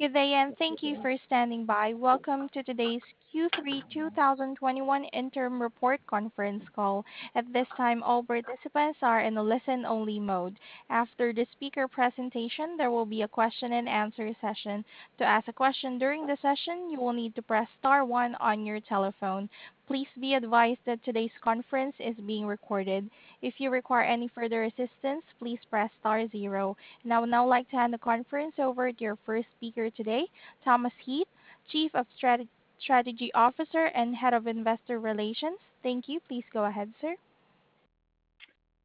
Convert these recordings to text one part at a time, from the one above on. Good day, and thank you for standing by. Welcome to today's Q3 2021 interim report conference call. At this time, all participants are in a listen-only mode. After the speaker presentation, there will be a question and answer session. To ask a question during the session, you will need to press star one on your telephone. Please be advised that today's conference is being recorded. If you require any further assistance, please press star zero. I would now like to hand the conference over to your first speaker today, Thomas Heath, Chief Strategy Officer and Head of Investor Relations. Thank you. Please go ahead, sir.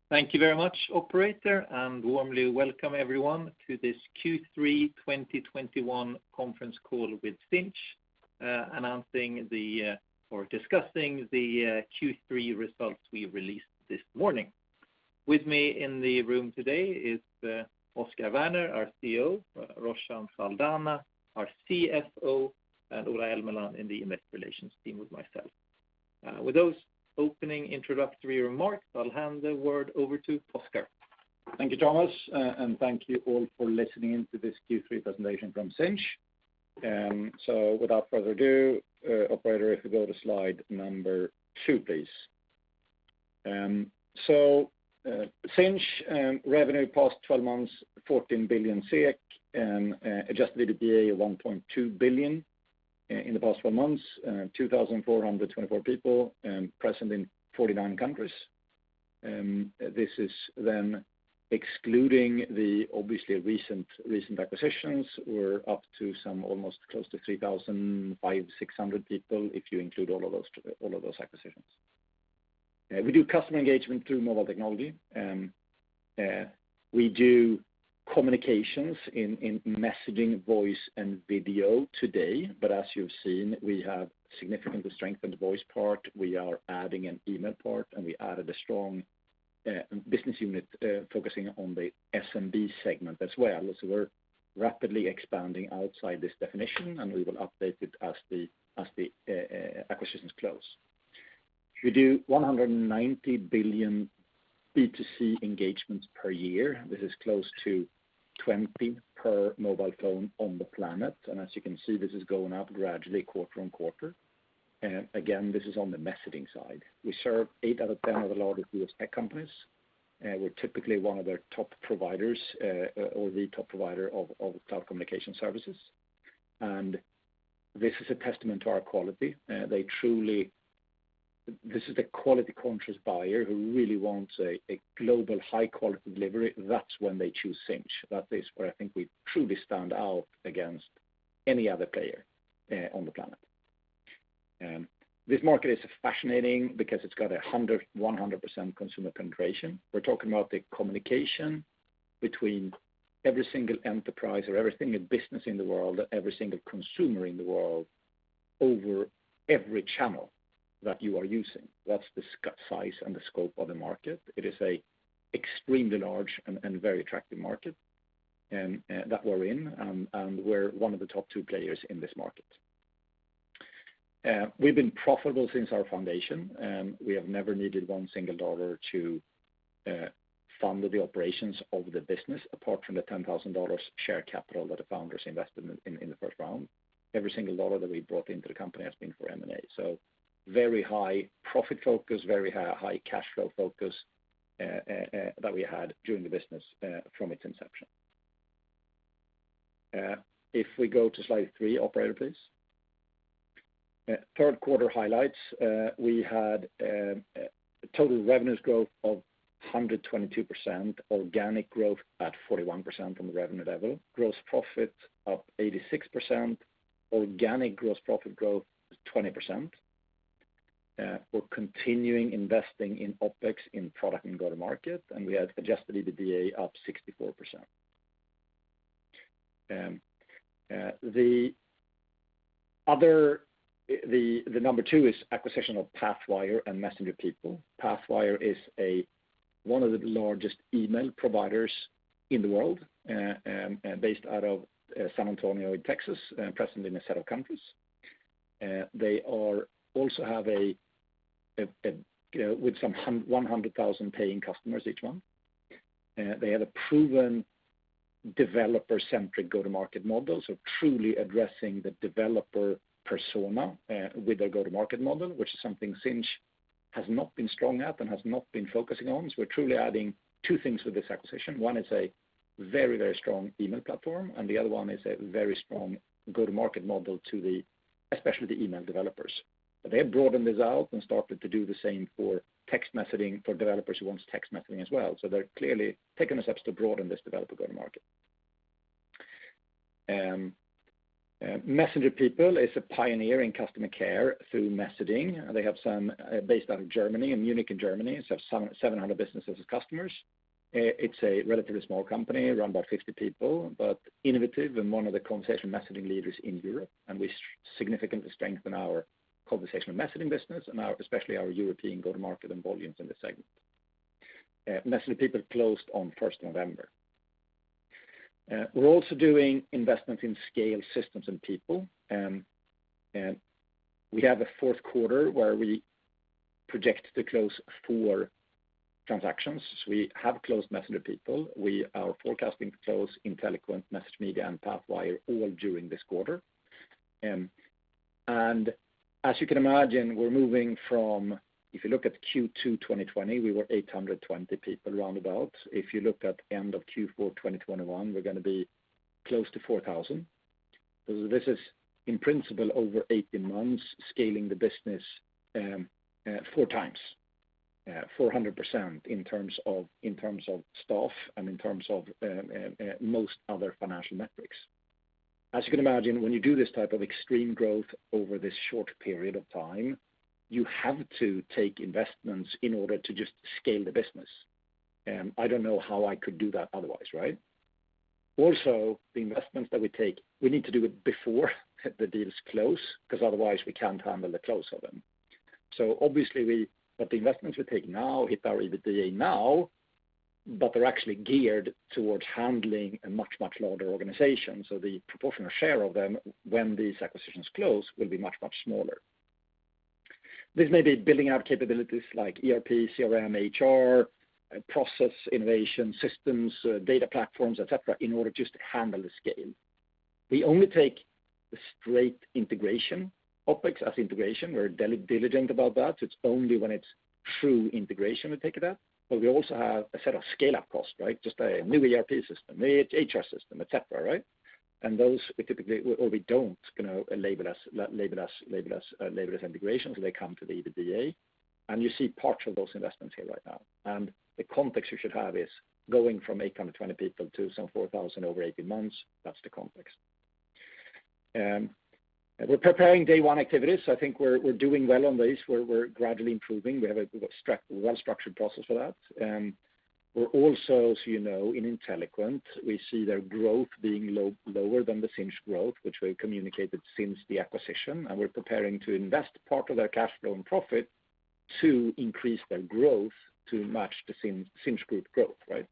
Thank you very much, operator, and warmly welcome everyone to this Q3 2021 conference call with Sinch, or discussing the Q3 results we released this morning. With me in the room today is Oscar Werner, our CEO, Roshan Saldanha, our CFO, and Ola Elmeland in the investor relations team with myself. With those opening introductory remarks, I'll hand the word over to Oscar. Thank you, Thomas, and thank you all for listening in to this Q3 presentation from Sinch. Without further ado, operator, if you go to slide two, please. Sinch revenue past 12 months, 14 billion SEK, and adjusted EBITDA 1.2 billion in the past four months, 2,424 people, present in 49 countries. This is excluding the obviously recent acquisitions. We're up to almost close to 3,556 people if you include all of those acquisitions. We do customer engagement through mobile technology. We do communications in messaging, voice, and video today. As you've seen, we have significantly strengthened the voice part. We are adding an email part, and we added a strong business unit focusing on the SMB segment as well. We're rapidly expanding outside this definition, and we will update it as the acquisitions close. We do 190 billion B2C engagements per year. This is close to 20 per mobile phone on the planet, and as you can see, this is going up gradually quarter-over-quarter. Again, this is on the messaging side. We serve eight out of 10 of the largest U.S. tech companies. We're typically one of their top providers or the top provider of cloud communication services. This is a testament to our quality. They are the quality conscious buyer who really wants a global high-quality delivery. That's when they choose Sinch. That is where I think we truly stand out against any other player on the planet. This market is fascinating because it's got 100% consumer penetration. We're talking about the communication between every single enterprise or every single business in the world, every single consumer in the world, over every channel that you are using. That's the size and the scope of the market. It is an extremely large and very attractive market that we're in, and we're one of the top two players in this market. We've been profitable since our foundation. We have never needed one single dollar to fund the operations of the business. Apart from the $10,000 share capital that the founders invested in the first round, every single dollar that we brought into the company has been for M&A. Very high profit focus, very high cash flow focus that we had during the business from its inception. If we go to slide three, operator, please. Third quarter highlights. We had total revenues growth of 122%, organic growth at 41% from the revenue level. Gross profit up 86%. Organic gross profit growth is 20%. We're continuing investing in OpEx in product and go-to-market, and we had adjusted EBITDA up 64%. The number two is acquisition of Pathwire and MessengerPeople. Pathwire is one of the largest email providers in the world, based out of San Antonio in Texas, present in a set of countries. They also have 100,000 paying customers each month. They had a proven developer-centric go-to-market model, truly addressing the developer persona with their go-to-market model, which is something Sinch has not been strong at and has not been focusing on. We're truly adding two things with this acquisition. One is a very, very strong email platform, and the other one is a very strong go-to-market model to especially the email developers. They have broadened this out and started to do the same for text messaging for developers who wants text messaging as well. They're clearly taking the steps to broaden this developer go-to-market. MessengerPeople is a pioneer in customer care through messaging. They are based out of Munich, Germany. 700 businesses as customers. It's a relatively small company, around 50 people, but innovative and one of the conversational messaging leaders in Europe, and we significantly strengthen our conversational messaging business and our, especially our European go-to-market and volumes in this segment. MessengerPeople closed on first November. We're also doing investments in scale systems and people. We have a fourth quarter where we project to close four transactions. We have closed MessengerPeople. We are forecasting to close Inteliquent, MessageMedia, and Pathwire all during this quarter. As you can imagine, we're moving from, if you look at Q2 2020, we were 820 people round about. If you look at end of Q4 2021, we're gonna be close to 4,000. This is in principle over 18 months scaling the business, 4x, 400% in terms of staff and in terms of most other financial metrics. As you can imagine, when you do this type of extreme growth over this short period of time, you have to take investments in order to just scale the business. I don't know how I could do that otherwise, right? Also, the investments that we take, we need to do it before the deals close because otherwise we can't handle the close of them. Obviously, the investments we take now hit our EBITDA now, but they're actually geared towards handling a much, much larger organization. The proportional share of them when these acquisitions close will be much, much smaller. This may be building out capabilities like ERP, CRM, HR, process innovation systems, data platforms, et cetera, in order just to handle the scale. We only take the straight integration OpEx as integration. We're diligent about that. It's only when it's true integration, we take it up. But we also have a set of scale-up costs, right? Just a new ERP system, a HR system, et cetera, right? And those we typically or we don't, you know, label as label as integration, so they come to the EBITDA. You see parts of those investments here right now. The context you should have is going from 820 people to some 4,000 over 18 months, that's the context. We're preparing day one activities. I think we're doing well on these. We're gradually improving. We have a well-structured process for that. We're also, as you know, in Inteliquent, we see their growth being lower than the Sinch growth, which we've communicated since the acquisition. We're preparing to invest part of their cash flow and profit to increase their growth to match the Sinch Group growth, right?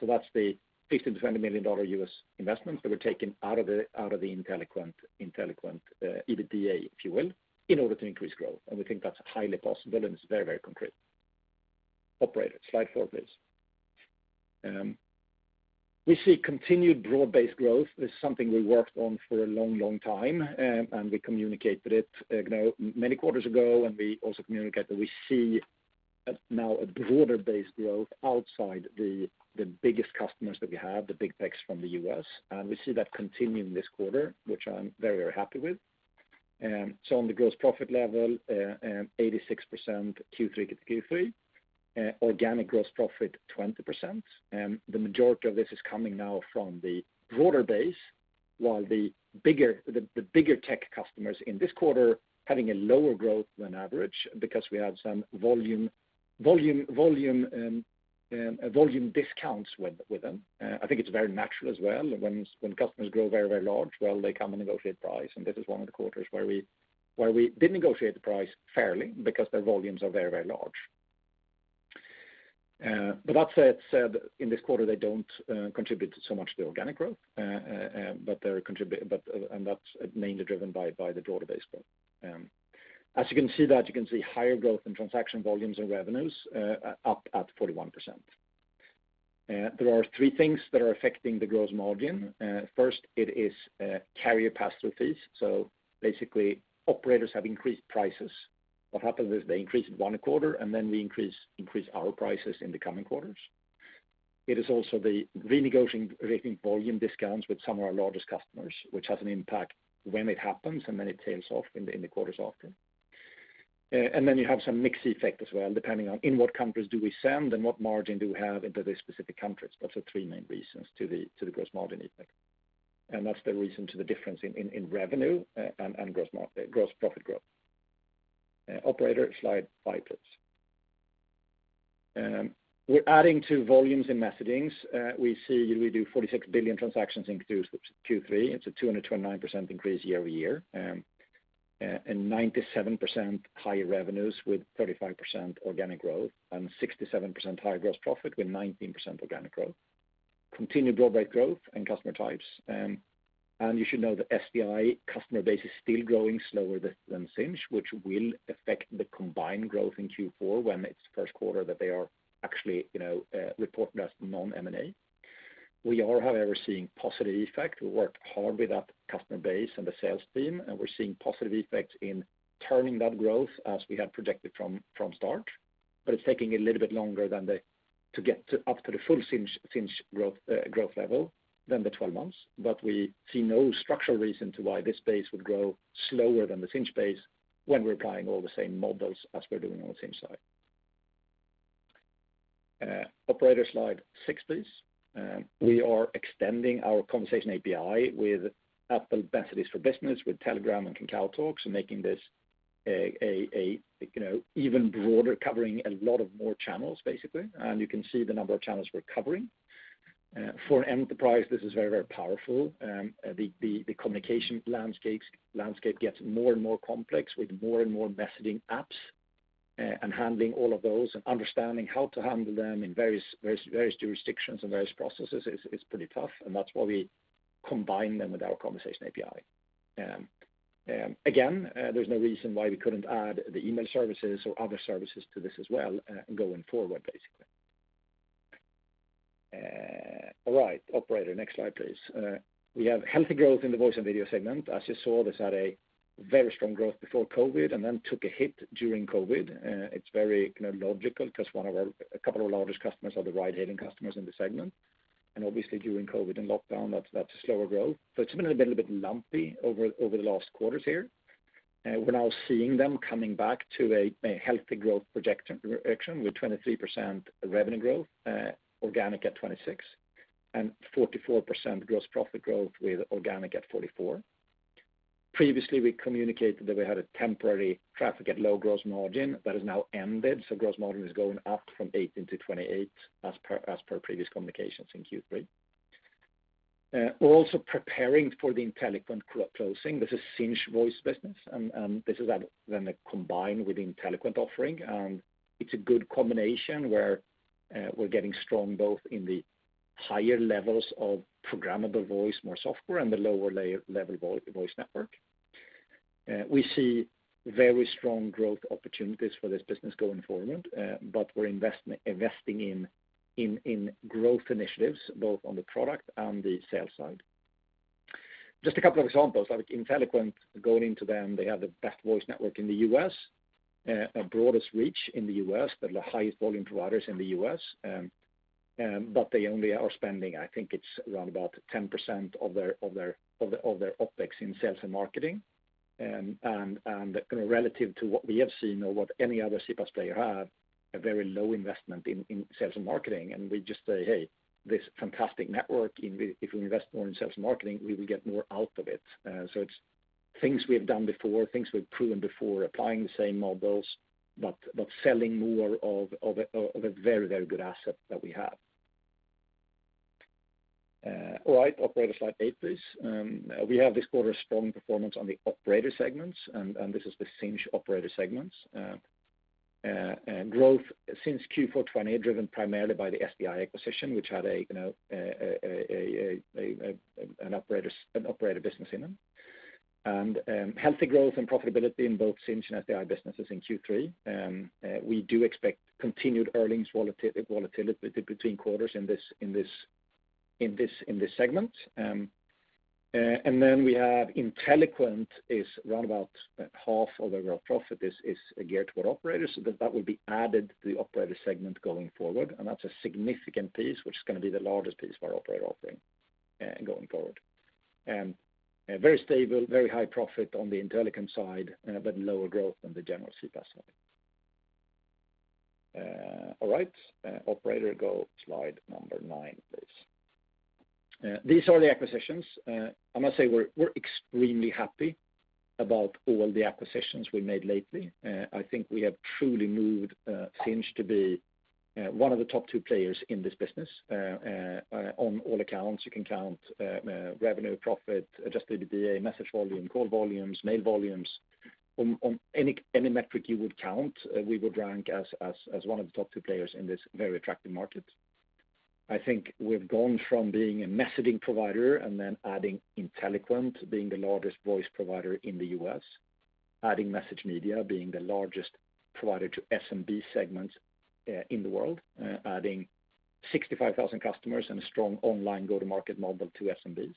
That's the $15 million-$20 million US investments that we're taking out of the Inteliquent EBITDA, if you will, in order to increase growth. We think that's highly possible, and it's very, very concrete. Operator, slide four, please. We see continued broad-based growth as something we worked on for a long time, and we communicated it, you know, many quarters ago, and we also communicate that we see now a broader-based growth outside the biggest customers that we have, the big techs from the U.S. We see that continuing this quarter, which I'm very, very happy with. On the gross profit level, 86% Q3 to Q3, organic gross profit 20%. The majority of this is coming now from the broader base, while the bigger tech customers in this quarter having a lower growth than average because we have some volume discounts with them. I think it's very natural as well when customers grow very, very large. Well, they come and negotiate price, and this is one of the quarters where we did negotiate the price fairly because their volumes are very, very large. That said, in this quarter, they don't contribute so much to the organic growth, and that's mainly driven by the broader base growth. As you can see, higher growth in transaction volumes and revenues up 41%. There are three things that are affecting the gross margin. First, it is carrier pass-through fees. Basically, operators have increased prices. What happens is they increase one quarter, and then we increase our prices in the coming quarters. It is also the renegotiating existing volume discounts with some of our largest customers, which has an impact when it happens, and then it tails off in the quarters after. And then you have some mix effect as well, depending on in what countries do we send and what margin do we have into the specific countries. That's the three main reasons to the gross margin effect. That's the reason to the difference in revenue and gross profit growth. Operator, slide five, please. We're adding to volumes in messaging. We do 46 billion transactions in Q3. It's a 229% increase year-over-year. And 97% higher revenues with 35% organic growth and 67% higher gross profit with 19% organic growth. Continued broad-based growth in customer types. You should know the SDI customer base is still growing slower than Sinch, which will affect the combined growth in Q4 when it's first quarter that they are actually, you know, reported as non-M&A. We are, however, seeing positive effect. We work hard with that customer base and the sales team, and we're seeing positive effects in turning that growth as we had projected from start. It's taking a little bit longer to get up to the full Sinch growth level than the 12 months. We see no structural reason to why this base would grow slower than the Sinch base when we're applying all the same models as we're doing on the Sinch side. Operator, slide six, please. We are extending our Conversation API with Apple Messages for Business, with Telegram, and KakaoTalk, so making this even broader, covering a lot more channels, basically. You can see the number of channels we're covering. For an enterprise, this is very powerful. The communication landscape gets more and more complex with more and more messaging apps, and handling all of those and understanding how to handle them in various jurisdictions and various processes is pretty tough, and that's why we combine them with our Conversation API. Again, there's no reason why we couldn't add the email services or other services to this as well, going forward, basically. All right, operator, next slide, please. We have healthy growth in the voice and video segment. As you saw, this had a very strong growth before COVID, and then took a hit during COVID. It's very, you know, logical because a couple of our largest customers are the ride-hailing customers in the segment. Obviously, during COVID and lockdown, that's a slower growth. It's been a little bit lumpy over the last quarters here. We're now seeing them coming back to a healthy growth projection with 23% revenue growth, organic at 26%, and 44% gross profit growth with organic at 44%. Previously, we communicated that we had a temporary traffic at low gross margin. That has now ended, so gross margin is going up from 18%-28% as per previous communications in Q3. Also preparing for the Inteliquent closing. This is Sinch voice business, and this is when they combine with Inteliquent offering. It's a good combination where we're getting strong both in the higher levels of programmable voice, more software, and the lower layer, level voice network. We see very strong growth opportunities for this business going forward, but we're investing in growth initiatives, both on the product and the sales side. Just a couple of examples, like Inteliquent going into them, they have the best voice network in the U.S., our broadest reach in the U.S., they're the highest volume providers in the U.S. They only are spending, I think it's around about 10% of their OpEx in sales and marketing. Kind of relative to what we have seen or what any other CPaaS player have, a very low investment in sales and marketing. We just say, "Hey, this fantastic network, if we invest more in sales and marketing, we will get more out of it." It's things we have done before, things we've proven before, applying the same models, but selling more of a very good asset that we have. All right, operator, slide eight, please. We have this quarter's strong performance on the operator segments, and this is the Sinch operator segments. Growth since Q4 2020 are driven primarily by the SDI acquisition, which had, you know, an operator business in them. Healthy growth and profitability in both Sinch and SDI businesses in Q3. We do expect continued earnings volatility between quarters in this segment. We have Inteliquent is around about half of the gross profit is geared toward operators, so that will be added to the operator segment going forward. That's a significant piece, which is gonna be the largest piece of our operator offering, going forward. Very stable, very high profit on the Inteliquent side, but lower growth than the general CPaaS side. All right, operator, go to slide number nine, please. These are the acquisitions. I must say we're extremely happy about all the acquisitions we made lately. I think we have truly moved Sinch to be one of the top two players in this business on all accounts. You can count revenue, profit, adjusted EBITDA, message volume, call volumes, mail volumes. On any metric you would count, we would rank as one of the top two players in this very attractive market. I think we've gone from being a messaging provider and then adding Inteliquent, being the largest voice provider in the U.S., adding MessageMedia, being the largest provider to SMB segments in the world, adding 65,000 customers and a strong online go-to-market model to SMBs.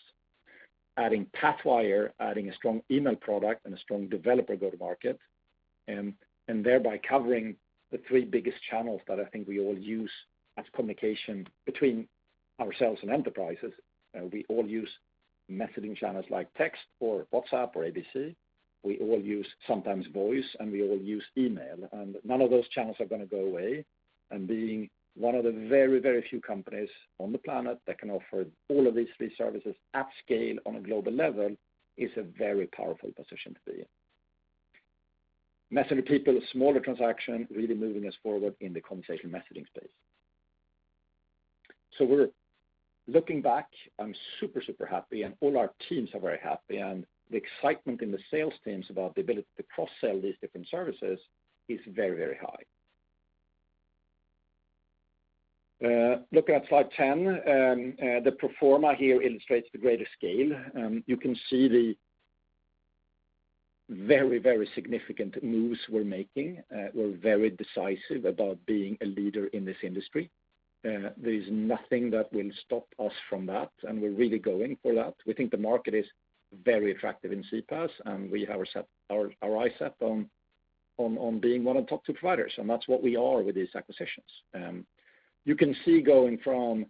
Adding Pathwire, adding a strong email product and a strong developer go-to-market, and thereby covering the three biggest channels that I think we all use as communication between ourselves and enterprises. We all use messaging channels like text or WhatsApp or ABC. We all use sometimes voice, and we all use email, and none of those channels are gonna go away. Being one of the very few companies on the planet that can offer all of these three services at scale on a global level is a very powerful position to be in. MessengerPeople, smaller transaction, really moving us forward in the conversation messaging space. We're looking back, I'm super happy, and all our teams are very happy, and the excitement in the sales teams about the ability to cross-sell these different services is very high. Looking at slide 10, the pro forma here illustrates the greater scale. You can see the very significant moves we're making. We're very decisive about being a leader in this industry. There's nothing that will stop us from that, and we're really going for that. We think the market is very attractive in CPaaS, and we have our eyes set on being one of the top two providers, and that's what we are with these acquisitions. You can see going from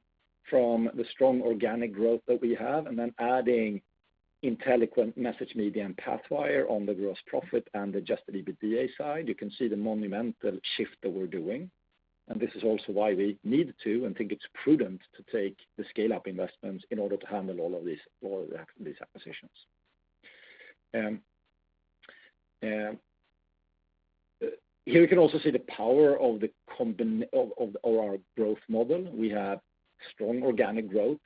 the strong organic growth that we have and then adding Inteliquent, MessageMedia, and Pathwire on the gross profit and adjusted EBITDA side, you can see the monumental shift that we're doing. This is also why we need to and think it's prudent to take the scale-up investments in order to handle all of these acquisitions. Here we can also see the power of our growth model. We have strong organic growth.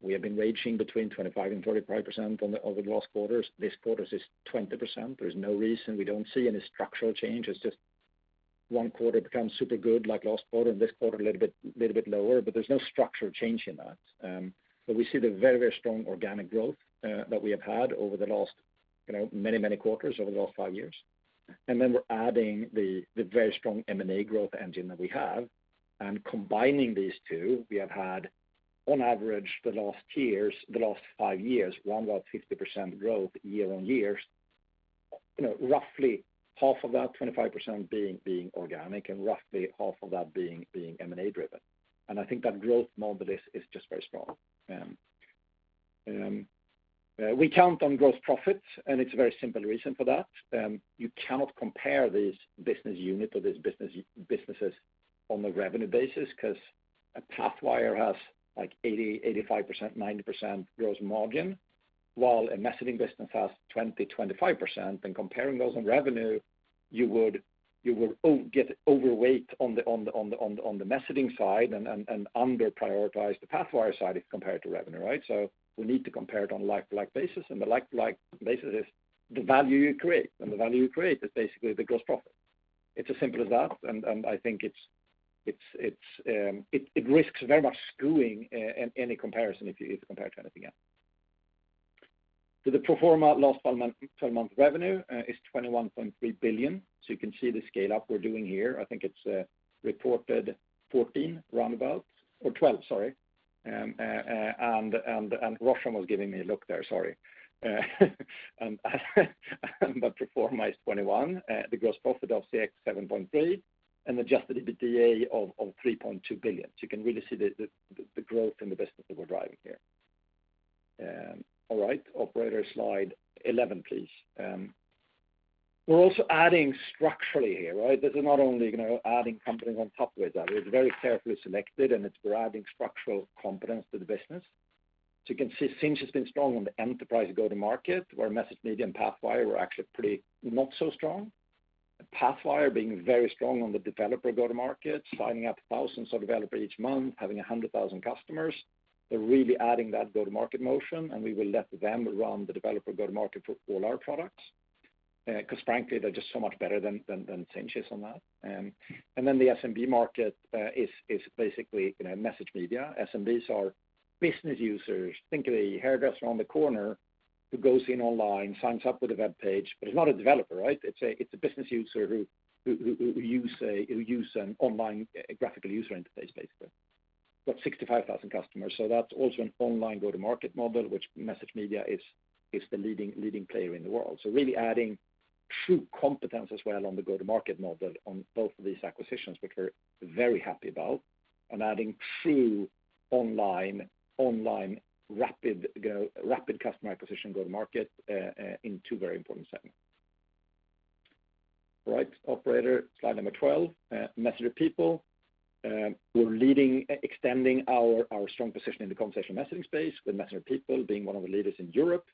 We have been ranging between 25% and 35% over the last quarters. This quarter, it's just 20%. There's no reason we don't see any structural change. It's just one quarter becomes super good, like last quarter, and this quarter a little bit lower, but there's no structural change in that. We see the very strong organic growth that we have had over the last, you know, many quarters, over the last five years. Then we're adding the very strong M&A growth engine that we have. Combining these two, we have had, on average, the last years, the last five years, 25% growth year-on-year. You know, roughly half of that 25% being organic and roughly half of that being M&A driven. I think that growth model is just very strong. We count on gross profits, and it's a very simple reason for that. You cannot compare these business units or these businesses on a revenue basis 'cause Pathwire has like 80%-85%, 90% gross margin, while a messaging business has 20%-25%. Comparing those on revenue, you would overweight on the messaging side and underprioritize the Pathwire side if compared to revenue, right? We need to compare it on a like-to-like basis. The like-to-like basis is the value you create, and the value you create is basically the gross profit. It's as simple as that. I think it risks very much screwing any comparison if you compare it to anything else. The pro forma last twelve month revenue is 21.3 billion. You can see the scale-up we're doing here. I think it's reported 14, around 14 or 12, sorry. Roshan was giving me a look there, sorry. Pro forma is 21. The gross profit of 6.7 billion and adjusted EBITDA of 3.2 billion. You can really see the growth in the business that we're driving here. All right, operator, slide 11, please. We're also adding structurally here, right? This is not only, you know, adding companies on top of each other. It's very carefully selected, and we're adding structural competence to the business. You can see, Sinch has been strong on the enterprise go-to-market, where MessageMedia and Pathwire were actually pretty not so strong. Pathwire being very strong on the developer go-to-market, signing up thousands of developers each month, having 100,000 customers. They're really adding that go-to-market motion, and we will let them run the developer go-to-market for all our products. 'Cause frankly, they're just so much better than Sinch is on that. The SMB market is basically, you know, MessageMedia. SMBs are business users. Think of a hairdresser on the corner who goes in online, signs up with a webpage, but is not a developer, right? It's a business user who use an online graphical user interface, basically. Got 65,000 customers, so that's also an online go-to-market model, which MessageMedia is the leading player in the world. Really adding true competence as well on the go-to-market model on both of these acquisitions, which we're very happy about, and adding true online rapid customer acquisition go-to-market in two very important segments. All right, operator, slide number 12. MessengerPeople. We're extending our strong position in the conversation messaging space with MessengerPeople being one of the leaders in Europe.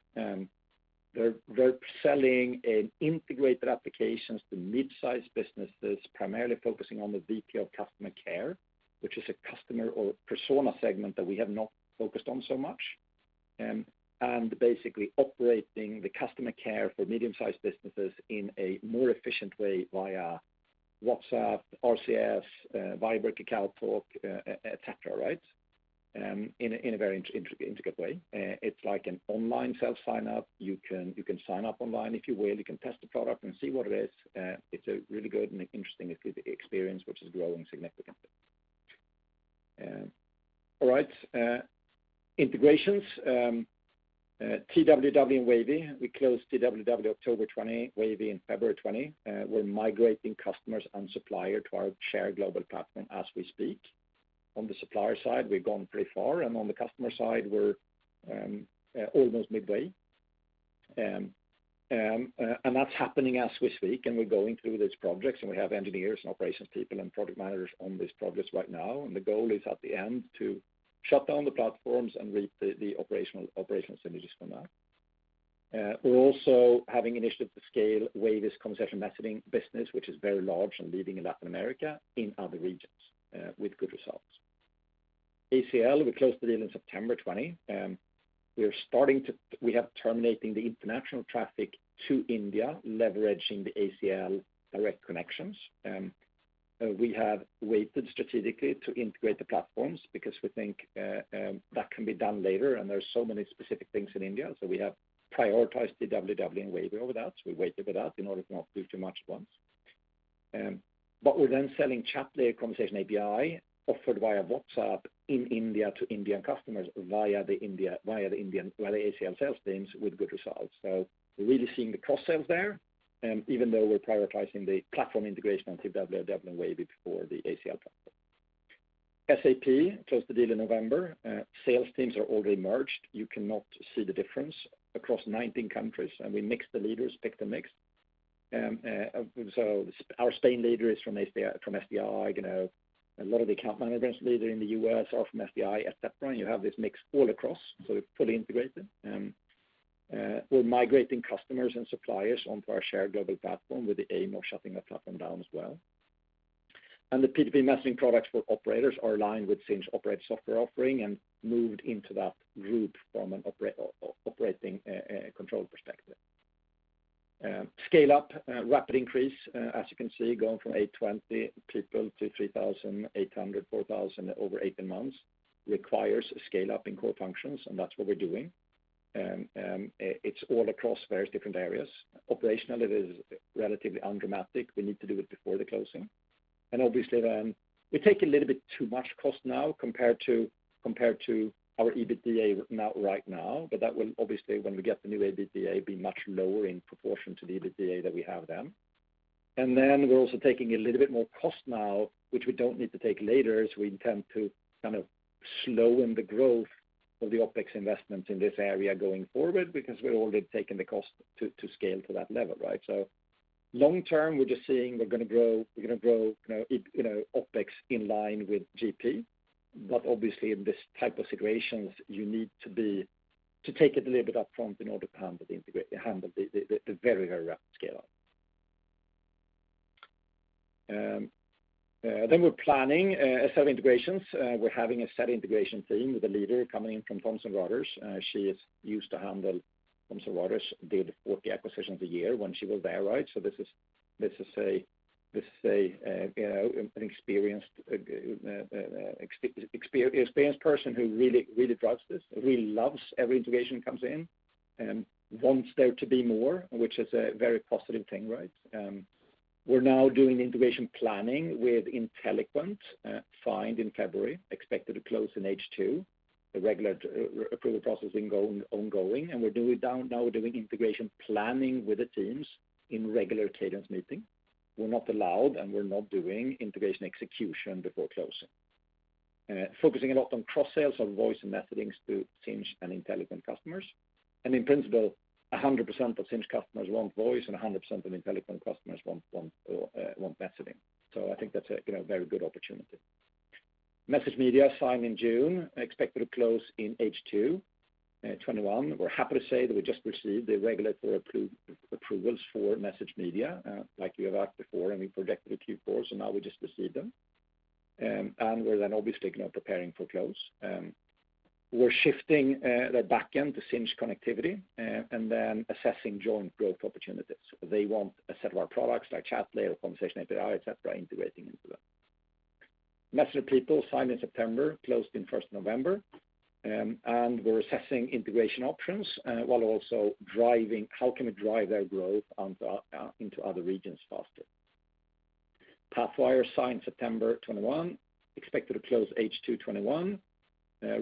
They're selling an integrated applications to midsize businesses, primarily focusing on the VP of customer care, which is a customer or persona segment that we have not focused on so much. Basically operating the customer care for medium-sized businesses in a more efficient way via WhatsApp, RCS, Viber, KakaoTalk, et cetera, right? In a very integrated way. It's like an online self-sign-up. You can sign up online if you will. You can test the product and see what it is. It's a really good and interesting experience, which is growing significantly. All right, integrations, TWW and Wavy. We closed TWW October 2020, Wavy in February 2020. We're migrating customers and supplier to our shared global platform as we speak. On the supplier side, we've gone pretty far, and on the customer side, we're almost midway. That's happening as we speak, and we're going through these projects, and we have engineers and operations people and product managers on these projects right now. The goal is at the end to shut down the platforms and reap the operational synergies from that. We're also having initiatives to scale Wavy's conversation messaging business, which is very large and leading in Latin America, in other regions, with good results. ACL, we closed the deal in September 2020. We are terminating the international traffic to India, leveraging the ACL direct connections. We have waited strategically to integrate the platforms because we think that can be done later, and there are so many specific things in India. We have prioritized TWW and Wavy over that, so we waited with that in order to not do too much at once. We're then selling Chatlayer Conversation API offered via WhatsApp in India to Indian customers via the ACL sales teams with good results. We're really seeing the cross sales there, even though we're prioritizing the platform integration on TWW and Wavy before the ACL platform. SDI closed the deal in November. Sales teams are already merged. You cannot see the difference across 19 countries, and we mix the leaders, pick the mix. Our Spain leader is from SDI. You know, a lot of the account management leader in the U.S. are from SDI, et cetera, and you have this mix all across, so it's fully integrated. We're migrating customers and suppliers onto our shared global platform with the aim of shutting that platform down as well. The P2P messaging products for operators are aligned with Sinch operator software offering and moved into that group from an operating control perspective. Scale up, rapid increase, as you can see, going from 820 people to 3,800, 4,000 over 18 months requires scale up in core functions, and that's what we're doing. It's all across various different areas. Operationally, it is relatively undramatic. We need to do it before the closing. Obviously we take a little bit too much cost now compared to our EBITDA amount right now, but that will obviously, when we get the new EBITDA, be much lower in proportion to the EBITDA that we have then. We're also taking a little bit more cost now, which we don't need to take later, as we intend to kind of slow down the growth of the OpEx investments in this area going forward, because we've already taken the cost to scale to that level, right? Long term, we're just saying we're gonna grow you know OpEx in line with GP. Obviously in this type of situations, you need to take it a little bit up front in order to handle the very rapid scale up. We're planning asset integrations. We're having an asset integration team with a leader coming in from Thomson Reuters. She is used to handle Thomson Reuters, did 40 acquisitions a year when she was there, right? This is a you know an experienced person who really really drives this, really loves every integration comes in and wants there to be more, which is a very positive thing, right? We're now doing integration planning with Inteliquent, signed in February, expected to close in H2. The regular approval processing ongoing, and we're doing integration planning with the teams in regular cadence meeting. We're not allowed, and we're not doing integration execution before closing. Focusing a lot on cross-sales of voice and messaging to Sinch and Inteliquent customers. In principle, 100% of Sinch customers want voice, and 100% of Inteliquent customers want messaging. I think that's, you know, a very good opportunity. MessageMedia signed in June, expected to close in H2 2021. We're happy to say that we just received the regulatory approvals for MessageMedia, like we have asked before, and we projected in Q4, now we just received them. We're then obviously, you know, preparing for close. We're shifting their backend to Sinch connectivity and then assessing joint growth opportunities. They want a set of our products like Chatlayer, Conversation API, et cetera, integrating into them. MessengerPeople signed in September, closed in first November, and we're assessing integration options while also driving how can we drive their growth into other regions faster. Pathwire signed September 2021, expected to close H2 2021.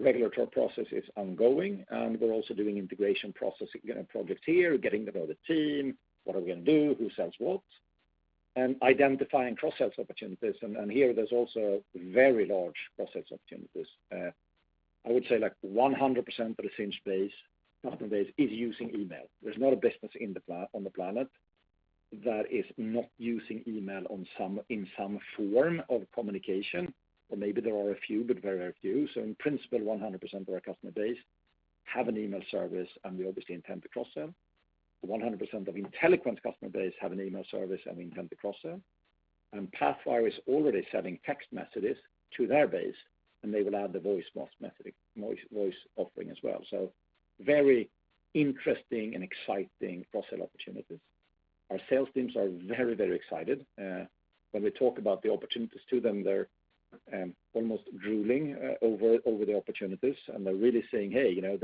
Regulatory process is ongoing, and we're also doing integration processing, you know, projects here, getting to know the team, what are we gonna do, who sells what, and identifying cross-sales opportunities. Here there's also very large cross-sales opportunities. I would say like 100% of the Sinch customer base is using email. There's not a business on the planet that is not using email in some form of communication, or maybe there are a few, but very few. In principle, 100% of our customer base have an email service, and we obviously intend to cross-sell. 100% of Inteliquent customer base have an email service, and we intend to cross-sell. Pathwire is already selling text messages to their base, and they will add the voice messaging, voice offering as well. Very interesting and exciting cross-sell opportunities. Our sales teams are very, very excited. When we talk about the opportunities to them, they're almost drooling over the opportunities, and they're really saying, "Hey, you know,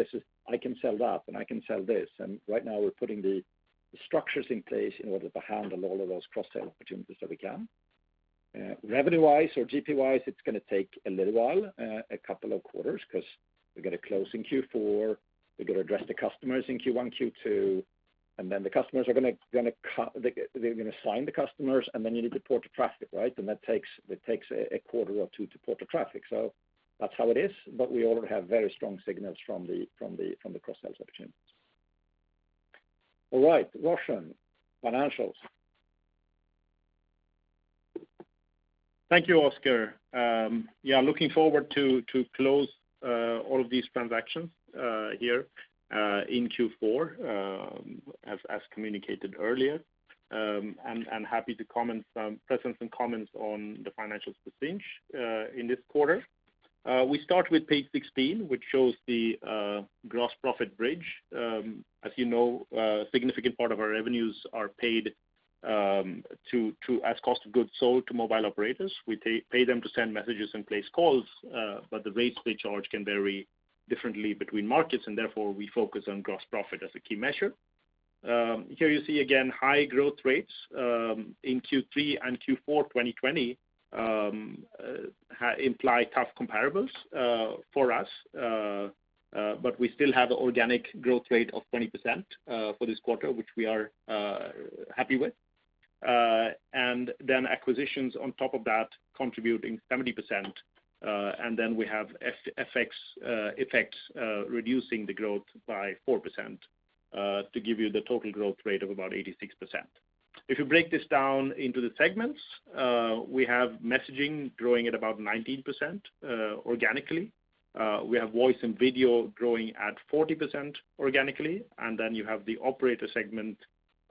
I can sell that, and I can sell this." Right now we're putting the structures in place in order to handle all of those cross-sell opportunities that we can. Revenue-wise or GP-wise, it's gonna take a little while, a couple of quarters 'cause we gotta close in Q4, we gotta address the customers in Q1, Q2, and then the customers are gonna sign the customers, and then you need to port the traffic, right? That takes a quarter or two to port the traffic. That's how it is, but we already have very strong signals from the cross-sales opportunities. All right, Roshan, financials. Thank you, Oscar. Yeah, looking forward to close all of these transactions here in Q4, as communicated earlier. Happy to comment some present some comments on the financials for Sinch in this quarter. We start with page 16, which shows the gross profit bridge. As you know, a significant part of our revenues are paid to as cost of goods sold to mobile operators. We pay them to send messages and place calls, but the rates they charge can vary differently between markets, and therefore, we focus on gross profit as a key measure. Here you see again high growth rates in Q3 and Q4 2020 imply tough comparables for us. We still have organic growth rate of 20% for this quarter, which we are happy with. Acquisitions on top of that contributing 70%, and then we have FX effects reducing the growth by 4% to give you the total growth rate of about 86%. If you break this down into the segments, we have messaging growing at about 19% organically. We have voice and video growing at 40% organically, and then you have the operator segment,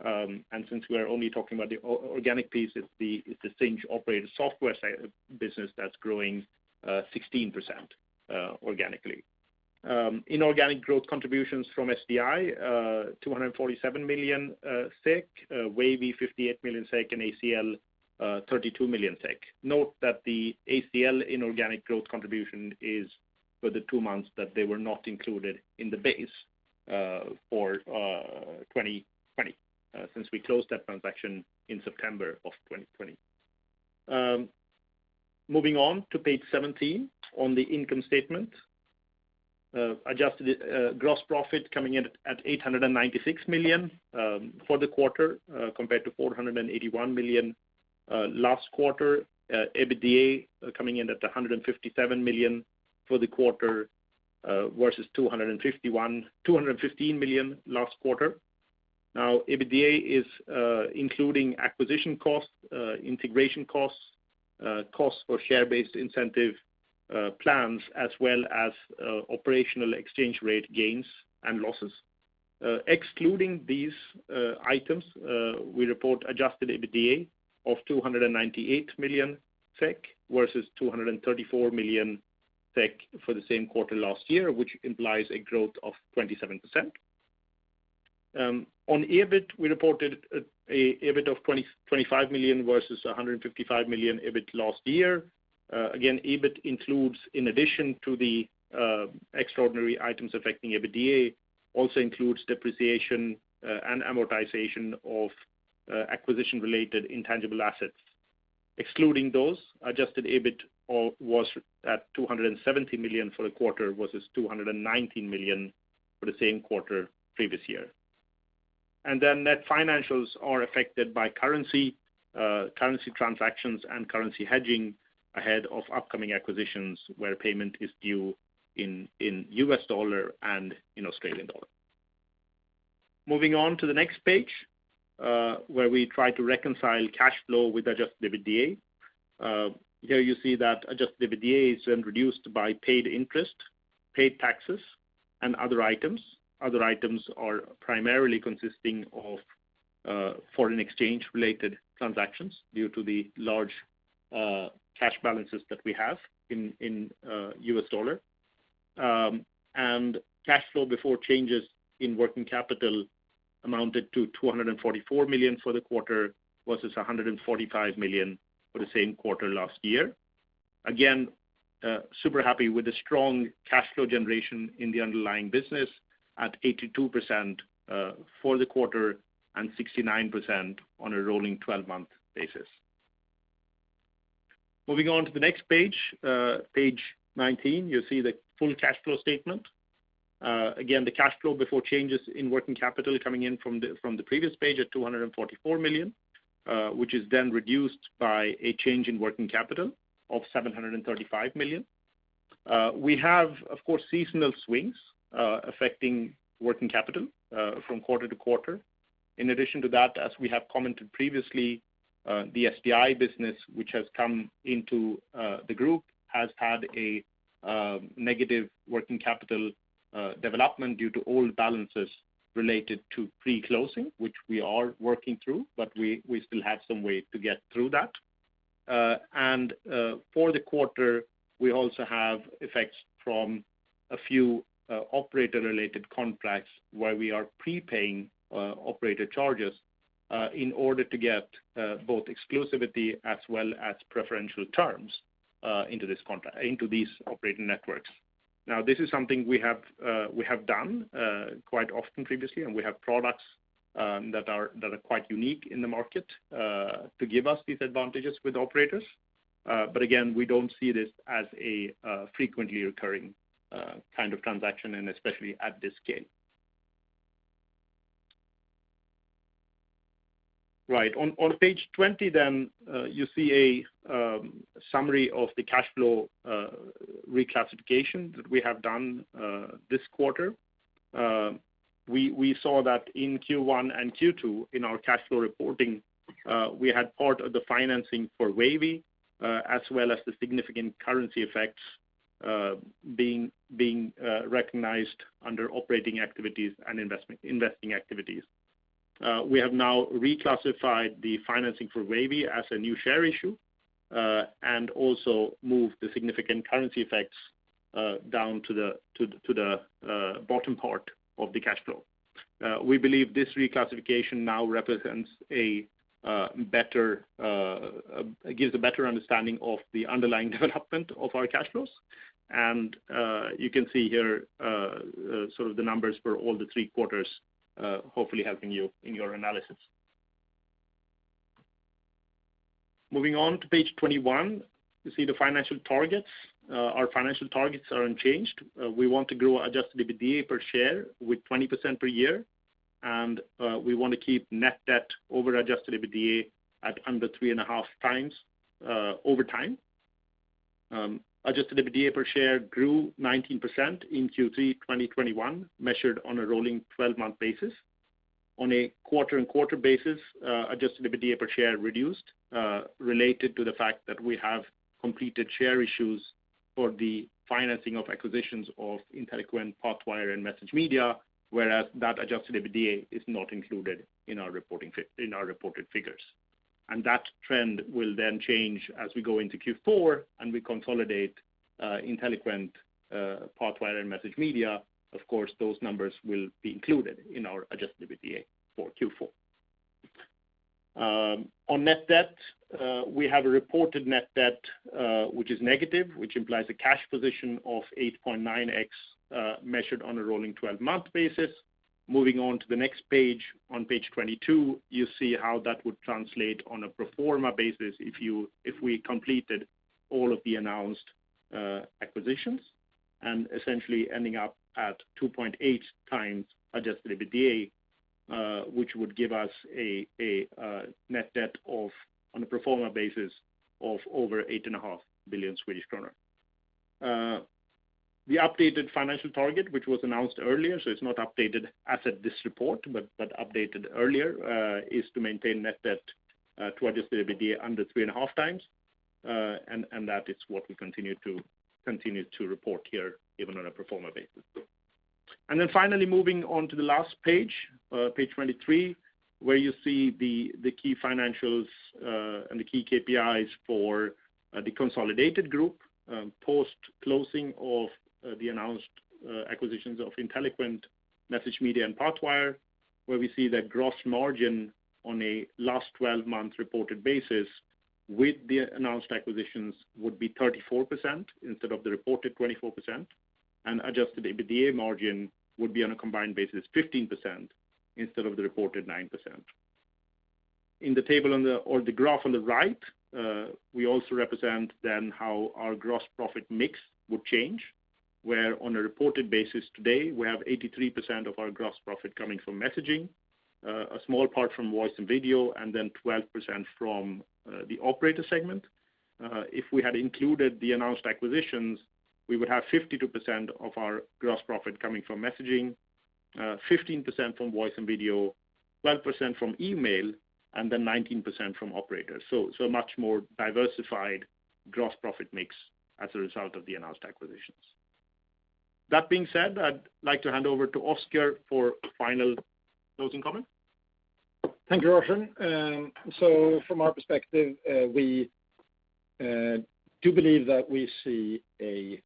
and since we're only talking about the organic piece, it's the Sinch-operated software business that's growing 16% organically. Inorganic growth contributions from SDI, 247 million SEK. Wavy, 58 million SEK, and ACL, 32 million SEK. Note that the ACL inorganic growth contribution is for the two months that they were not included in the base for 2020, since we closed that transaction in September of 2020. Moving on to page 17 on the income statement. Adjusted gross profit coming in at 896 million for the quarter compared to 481 million last quarter. EBITDA coming in at 157 million for the quarter versus 215 million last quarter. Now, EBITDA is including acquisition costs, integration costs for share-based incentive plans, as well as operational exchange rate gains and losses. Excluding these items, we report adjusted EBITDA of 298 million SEK versus 234 million SEK for the same quarter last year, which implies a growth of 27%. On EBIT, we reported an EBIT of 25 million versus 155 million last year. Again, EBIT includes, in addition to the extraordinary items affecting EBITDA, also includes depreciation and amortization of acquisition-related intangible assets. Excluding those, adjusted EBIT was at 270 million for the quarter versus 219 million for the same quarter previous year. Net financials are affected by currency transactions and currency hedging ahead of upcoming acquisitions where payment is due in U.S. dollar and in Australian dollar. Moving on to the next page, where we try to reconcile cash flow with adjusted EBITDA. Here you see that adjusted EBITDA is then reduced by paid interest, paid taxes, and other items. Other items are primarily consisting of foreign exchange-related transactions due to the large cash balances that we have in U.S. dollar. Cash flow before changes in working capital amounted to 244 million for the quarter versus 145 million for the same quarter last year. Again, super happy with the strong cash flow generation in the underlying business at 82% for the quarter and 69% on a rolling twelve-month basis. Moving on to the next page 19, you'll see the full cash flow statement. Again, the cash flow before changes in working capital coming in from the previous page at 244 million, which is then reduced by a change in working capital of 735 million. We have, of course, seasonal swings affecting working capital from quarter to quarter. In addition to that, as we have commented previously, the SDI business, which has come into the group, has had a negative working capital development due to old balances related to pre-closing, which we are working through, but we still have some way to get through that. For the quarter, we also have effects from a few operator-related contracts where we are prepaying operator charges in order to get both exclusivity as well as preferential terms into these operator networks. This is something we have done quite often previously, and we have products that are quite unique in the market to give us these advantages with operators. We don't see this as a frequently recurring kind of transaction, and especially at this scale. Right. On page 20 then, you see a summary of the cash flow reclassification that we have done this quarter. We saw that in Q1 and Q2 in our cash flow reporting, we had part of the financing for Wavy, as well as the significant currency effects, being recognized under operating activities and investing activities. We have now reclassified the financing for Wavy as a new share issue, and also moved the significant currency effects, down to the bottom part of the cash flow. We believe this reclassification now gives a better understanding of the underlying development of our cash flows. You can see here sort of the numbers for all three quarters, hopefully helping you in your analysis. Moving on to page 21, you see the financial targets. Our financial targets are unchanged. We want to grow adjusted EBITDA per share with 20% per year, and we wanna keep net debt over adjusted EBITDA at under 3.5x over time. Adjusted EBITDA per share grew 19% in Q3 2021, measured on a rolling 12-month basis. On a quarter-on-quarter basis, adjusted EBITDA per share reduced related to the fact that we have completed share issues for the financing of acquisitions of Inteliquent, Pathwire, and MessageMedia, whereas that adjusted EBITDA is not included in our reported figures. That trend will then change as we go into Q4 and we consolidate Inteliquent, Pathwire, and MessageMedia. Of course, those numbers will be included in our adjusted EBITDA for Q4. On net debt, we have a reported net debt, which is negative, which implies a cash position of 8.9x, measured on a rolling twelve-month basis. Moving on to the next page, on page 22, you see how that would translate on a pro forma basis if we completed all of the announced acquisitions, and essentially ending up at 2.8x adjusted EBITDA, which would give us a net debt of, on a pro forma basis, of over 8.5 billion Swedish kronor. The updated financial target, which was announced earlier, so it's not updated as of this report, but updated earlier, is to maintain net debt to adjusted EBITDA under 3.5x. That is what we continue to report here, even on a pro forma basis. Finally moving on to the last page 23, where you see the key financials and the key KPIs for the consolidated group, post-closing of the announced acquisitions of Inteliquent, MessageMedia, and Pathwire, where we see that gross margin on a last twelve-month reported basis with the announced acquisitions would be 34% instead of the reported 24%, and adjusted EBITDA margin would be on a combined basis 15% instead of the reported 9%. In the table on the graph on the right, we also represent then how our gross profit mix would change, where on a reported basis today, we have 83% of our gross profit coming from messaging, a small part from voice and video, and then 12% from the operator segment. If we had included the announced acquisitions, we would have 52% of our gross profit coming from messaging, 15% from voice and video, 12% from email, and then 19% from operators. Much more diversified gross profit mix as a result of the announced acquisitions. That being said, I'd like to hand over to Oscar for final closing comments. Thank you, Roshan. From our perspective, we do believe that we see a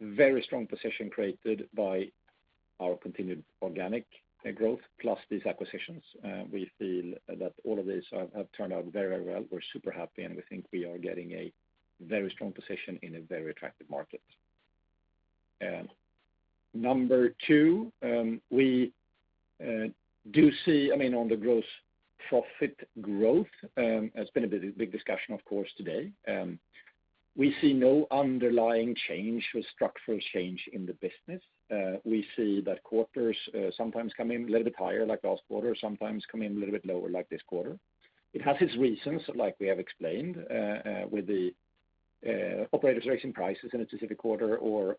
very strong position created by our continued organic growth plus these acquisitions. We feel that all of these have turned out very well. We're super happy, and we think we are getting a very strong position in a very attractive market. Number two, we do see. I mean, on the gross profit growth, it's been a big discussion of course today. We see no underlying change or structural change in the business. We see that quarters sometimes come in a little bit higher, like last quarter, sometimes come in a little bit lower like this quarter. It has its reasons, like we have explained, with the operators raising prices in a specific quarter or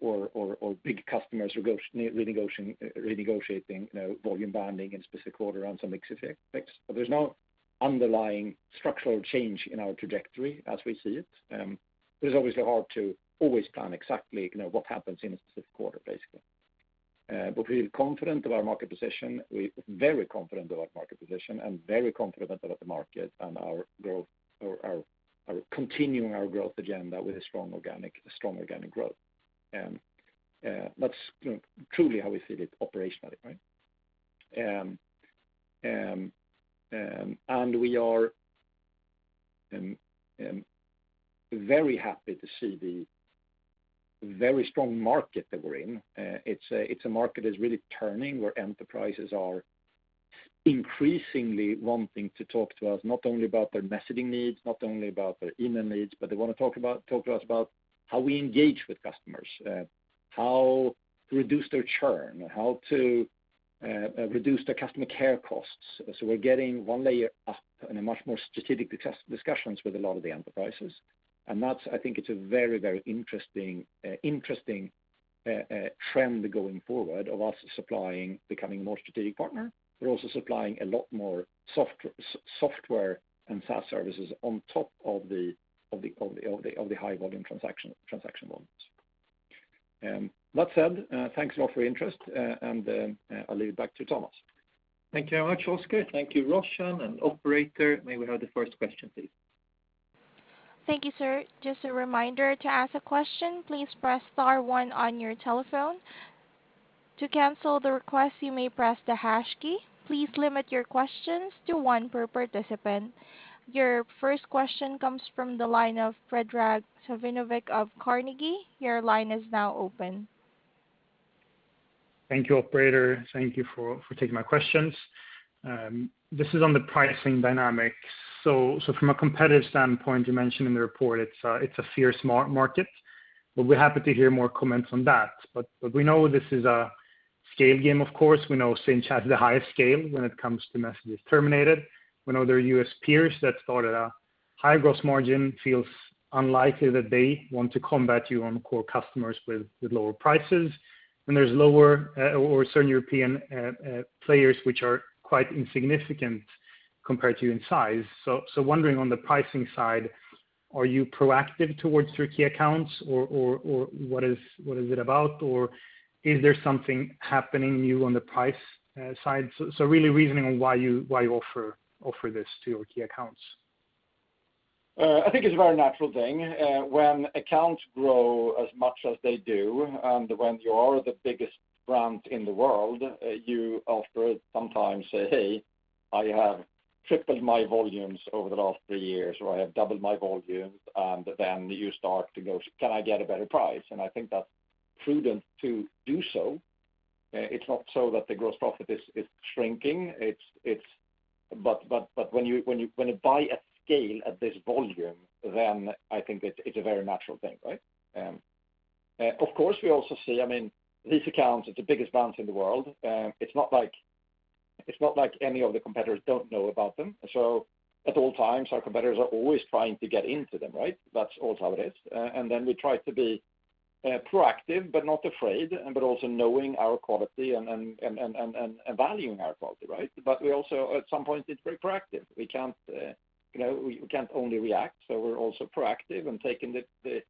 big customers renegotiating, you know, volume banding in specific quarter around some mix effects. There's no underlying structural change in our trajectory as we see it. It's obviously hard to always plan exactly, you know, what happens in a specific quarter, basically. We're confident of our market position. We're very confident about market position and very confident about the market and our growth or our continuing our growth agenda with a strong organic growth. That's, you know, truly how we see it operationally, right? We are very happy to see the very strong market that we're in. It's a market that's really turning, where enterprises are increasingly wanting to talk to us, not only about their messaging needs, not only about their email needs, but they wanna talk to us about how we engage with customers, how to reduce their churn, how to reduce their customer care costs. We're getting one layer up in a much more strategic discussions with a lot of the enterprises. That's, I think, a very interesting trend going forward of us supplying, becoming a more strategic partner. We're also supplying a lot more software and SaaS services on top of the high volume transaction volumes. That said, thanks a lot for your interest. I'll leave it back to Thomas. Thank you very much, Oscar. Thank you, Roshan and Operator. May we have the first question, please? Thank you, sir. Just a reminder, to ask a question, please press star one on your telephone. To cancel the request, you may press the hash key. Please limit your questions to one per participant. Your first question comes from the line of Predrag Savinovic of Carnegie. Your line is now open. Thank you, operator. Thank you for taking my questions. This is on the pricing dynamics. From a competitive standpoint, you mentioned in the report it's a fierce market, but we're happy to hear more comments on that. We know this is a scale game, of course. We know Sinch has the highest scale when it comes to messages terminated. We know their U.S. peers that start at a high gross margin feels unlikely that they want to combat you on core customers with lower prices. There's lower or certain European players which are quite insignificant compared to you in size. Wondering on the pricing side. Are you proactive toward your key accounts? What is it about? Is there something happening new on the price side? Really reasoning on why you offer this to your key accounts. I think it's a very natural thing. When accounts grow as much as they do, and when you are the biggest brand in the world, you often sometimes say, "Hey, I have tripled my volumes over the last three years," or, "I have doubled my volumes." You start to go, "Can I get a better price?" I think that's prudent to do so. It's not so that the gross profit is shrinking. But when you buy at scale at this volume, then I think it's a very natural thing, right? Of course we also see, I mean, these accounts are the biggest brands in the world. It's not like any of the competitors don't know about them. At all times, our competitors are always trying to get into them, right? That's also how it is. Then we try to be proactive but not afraid, but also knowing our quality and valuing our quality, right? We also, at some point, it's very proactive. We can't, you know, we can't only react, so we're also proactive and taking the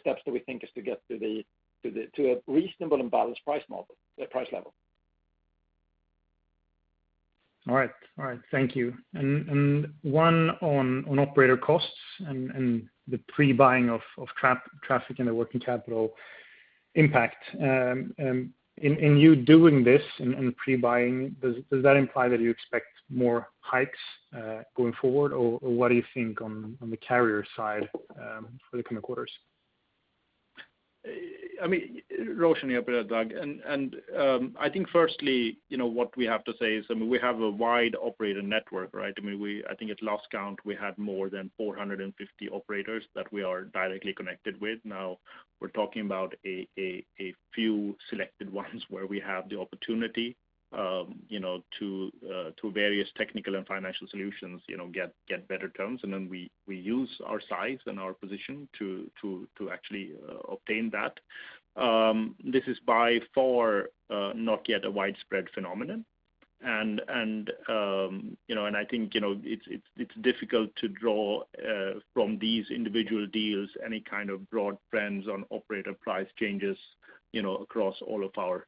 steps that we think is to get to a reasonable and balanced price model, price level. All right. Thank you. One on operator costs and the pre-buying of A2P traffic and the working capital impact. In you doing this and pre-buying, does that imply that you expect more hikes going forward? Or what do you think on the carrier side for the coming quarters? I mean, Roshan here, Predrag Savinovic. I think firstly, you know, what we have to say is, I mean, we have a wide operator network, right? I mean, I think at last count, we had more than 450 operators that we are directly connected with. Now we're talking about a few selected ones where we have the opportunity, you know, to various technical and financial solutions, you know, get better terms, and then we use our size and our position to actually obtain that. This is by far not yet a widespread phenomenon. You know, I think, you know, it's difficult to draw from these individual deals any kind of broad trends on operator price changes, you know, across all of our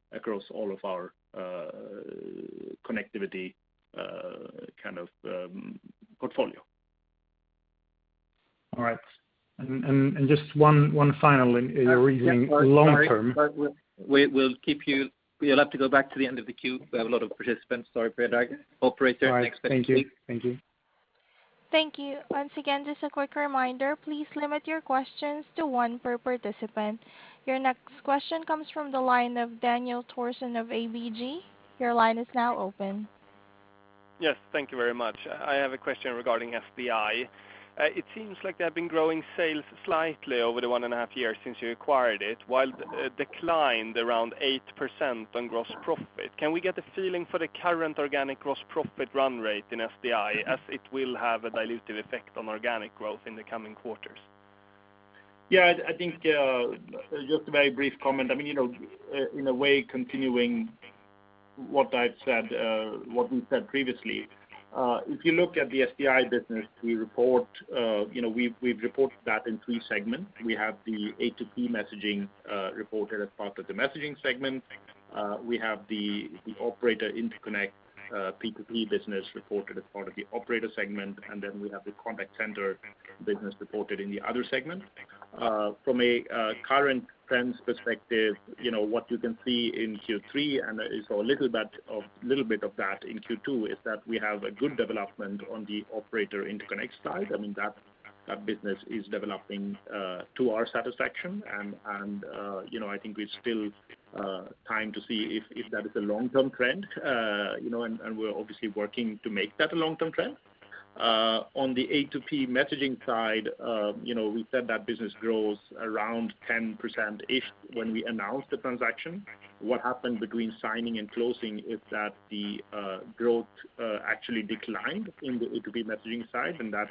connectivity kind of portfolio. All right. Just one final in your reasoning long term. Sorry. We'll keep you. You'll have to go back to the end of the queue. We have a lot of participants. Sorry, Predrag Savinovic. Operator, next participant, please. All right. Thank you. Thank you. Thank you. Once again, just a quick reminder, please limit your questions to one per participant. Your next question comes from the line of Daniel Thorsson of ABG. Your line is now open. Yes. Thank you very much. I have a question regarding SDI. It seems like they have been growing sales slightly over the one and a half years since you acquired it, while it declined around 8% on gross profit. Can we get a feeling for the current organic gross profit run rate in SDI, as it will have a dilutive effect on organic growth in the coming quarters? Yeah. I think just a very brief comment. I mean, you know, in a way, continuing what I've said, what we've said previously. If you look at the SDI business, we report, you know, we've reported that in three segments. We have the A2P messaging reported as part of the messaging segment. We have the operator interconnect P2P business reported as part of the operator segment, and then we have the contact center business reported in the other segment. From a current trends perspective, you know, what you can see in Q3, and you saw a little bit of that in Q2, is that we have a good development on the operator interconnect side. I mean, that business is developing to our satisfaction. You know, I think we still have time to see if that is a long-term trend. You know, we're obviously working to make that a long-term trend. On the A2P messaging side, you know, we said that business grows around 10%-ish when we announced the transaction. What happened between signing and closing is that the growth actually declined in the A2P messaging side, and that,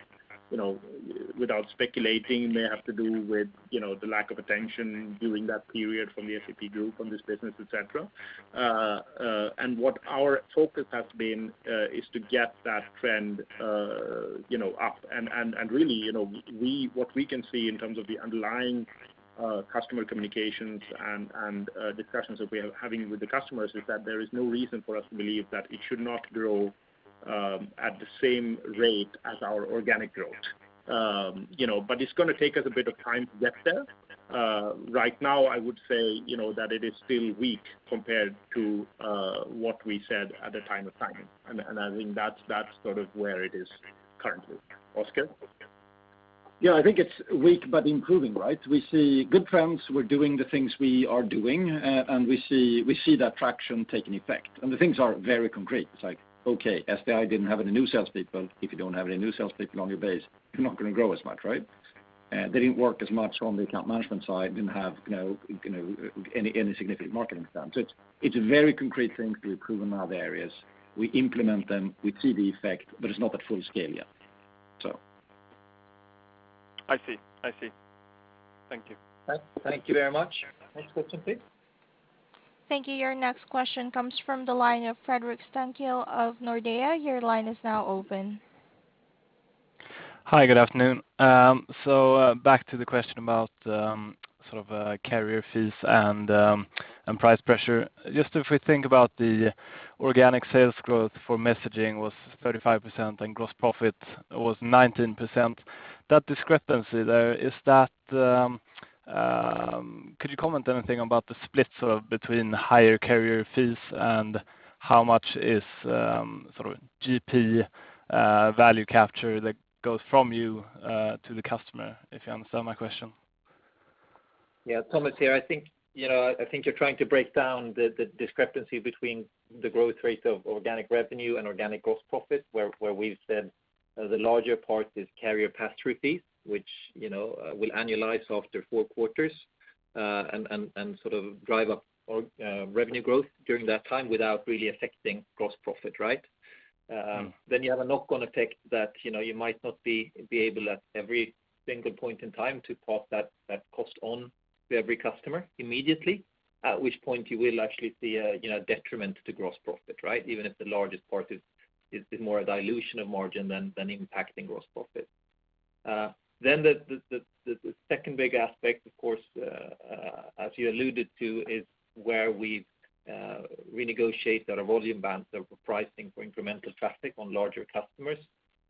you know, without speculating, may have to do with, you know, the lack of attention during that period from the SAP group on this business, et cetera. What our focus has been is to get that trend, you know, up. Really, you know, what we can see in terms of the underlying customer communications and discussions that we are having with the customers is that there is no reason for us to believe that it should not grow at the same rate as our organic growth. You know, it's gonna take us a bit of time to get there. Right now I would say, you know, that it is still weak compared to what we said at the time of signing. I think that's sort of where it is currently. Oscar? Yeah. I think it's weak but improving, right? We see good trends. We're doing the things we are doing, and we see that traction taking effect. The things are very concrete. It's like, okay, SDI didn't have any new salespeople. If you don't have any new salespeople on your base, you're not gonna grow as much, right? They didn't work as much on the account management side, didn't have you know any significant marketing plan. It's a very concrete thing to improve in other areas. We implement them, we see the effect, but it's not at full scale yet. I see. Thank you. Thanks. Thank you very much. Next question, please. Thank you. Your next question comes from the line of Fredrik Stenqvist of Nordea. Your line is now open. Hi, good afternoon. Back to the question about sort of carrier fees and price pressure. Just if we think about the organic sales growth for messaging was 35% and gross profit was 19%. That discrepancy there, is that could you comment anything about the split, sort of, between higher carrier fees and how much is sort of GP value capture that goes from you to the customer? If you understand my question. Yeah. Thomas here. I think, you know, I think you're trying to break down the discrepancy between the growth rate of organic revenue and organic gross profit, where we've said the larger part is carrier pass-through fees, which, you know, will annualize after four quarters and sort of drive up revenue growth during that time without really affecting gross profit, right? You have a knock-on effect that, you know, you might not be able at every single point in time to pass that cost on to every customer immediately, at which point you will actually see a, you know, detriment to gross profit, right? Even if the largest part is more a dilution of margin than impacting gross profit. The second big aspect, of course, as you alluded to, is where we've renegotiated our volume bands over pricing for incremental traffic on larger customers.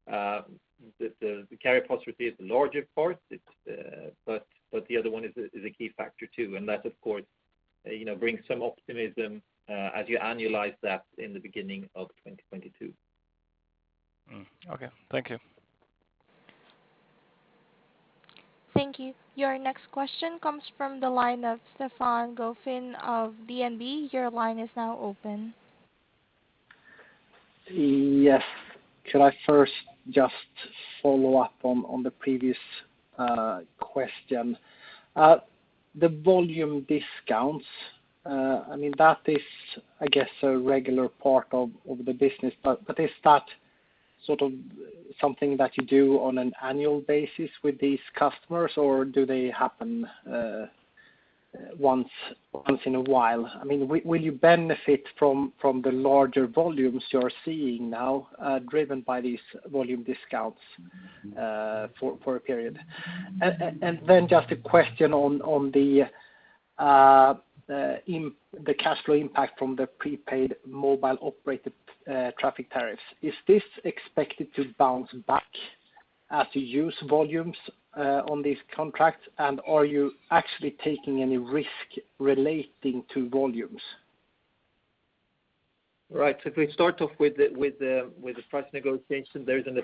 The carrier pass-through fee is the larger part. It's but the other one is a key factor too, and that, of course, you know, brings some optimism as you annualize that in the beginning of 2022. Okay. Thank you. Thank you. Your next question comes from the line of Stefan Göthlin of DNB. Your line is now open. Yes. Could I first just follow up on the previous question? The volume discounts, I mean, that is, I guess, a regular part of the business, but is that sort of something that you do on an annual basis with these customers? Or do they happen once in a while? I mean, will you benefit from the larger volumes you're seeing now, driven by these volume discounts, for a period? And then just a question on the cash flow impact from the prepaid mobile operator traffic tariffs. Is this expected to bounce back as you use volumes on these contracts? And are you actually taking any risk relating to volumes? Right. If we start off with the price negotiation, there isn't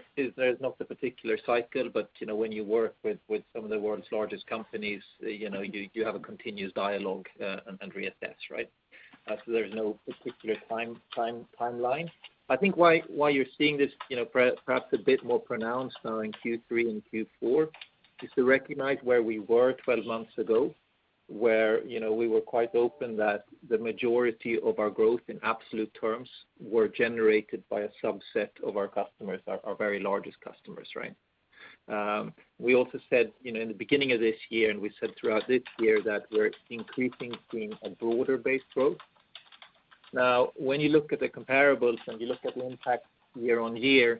a particular cycle. You know, when you work with some of the world's largest companies, you know, you have a continuous dialogue and reassess, right? There's no particular timeline. I think why you're seeing this, you know, perhaps a bit more pronounced now in Q3 and Q4, is to recognize where we were 12 months ago, where, you know, we were quite open that the majority of our growth in absolute terms were generated by a subset of our customers, our very largest customers, right? We also said, you know, in the beginning of this year, and we said throughout this year, that we're increasingly seeing a broader base growth. Now, when you look at the comparables and you look at the impact year-on-year,